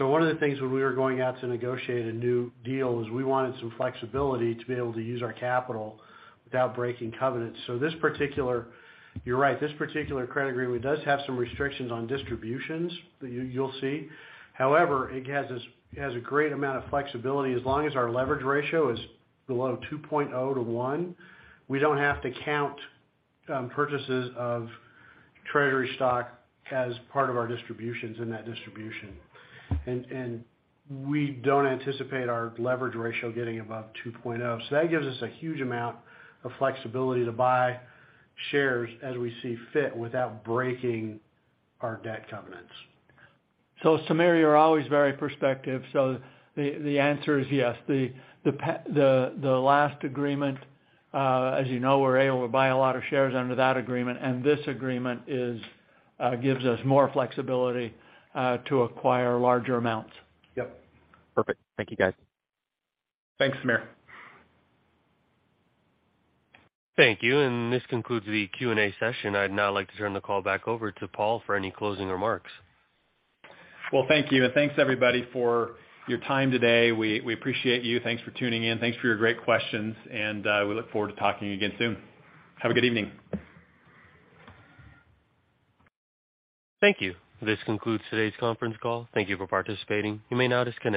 One of the things when we were going out to negotiate a new deal was we wanted some flexibility to be able to use our capital without breaking covenants. You're right. This particular credit agreement does have some restrictions on distributions that you'll see. However, it has a great amount of flexibility. As long as our leverage ratio is below 2.0 to one, we don't have to count purchases of treasury stock as part of our distributions in that distribution. We don't anticipate our leverage ratio getting above 2.0. That gives us a huge amount of flexibility to buy shares as we see fit without breaking our debt covenants. Sameer, you're always very perspective. The last agreement, as you know, we're able to buy a lot of shares under that agreement, and this agreement is, gives us more flexibility, to acquire larger amounts. Yep. Perfect. Thank you, guys. Thanks, Samir. Thank you. This concludes the Q&A session. I'd now like to turn the call back over to Paul for any closing remarks. Well, thank you. Thanks everybody for your time today. We appreciate you. Thanks for tuning in. Thanks for your great questions, we look forward to talking again soon. Have a good evening. Thank you. This concludes today's conference call. Thank you for participating. You may now disconnect.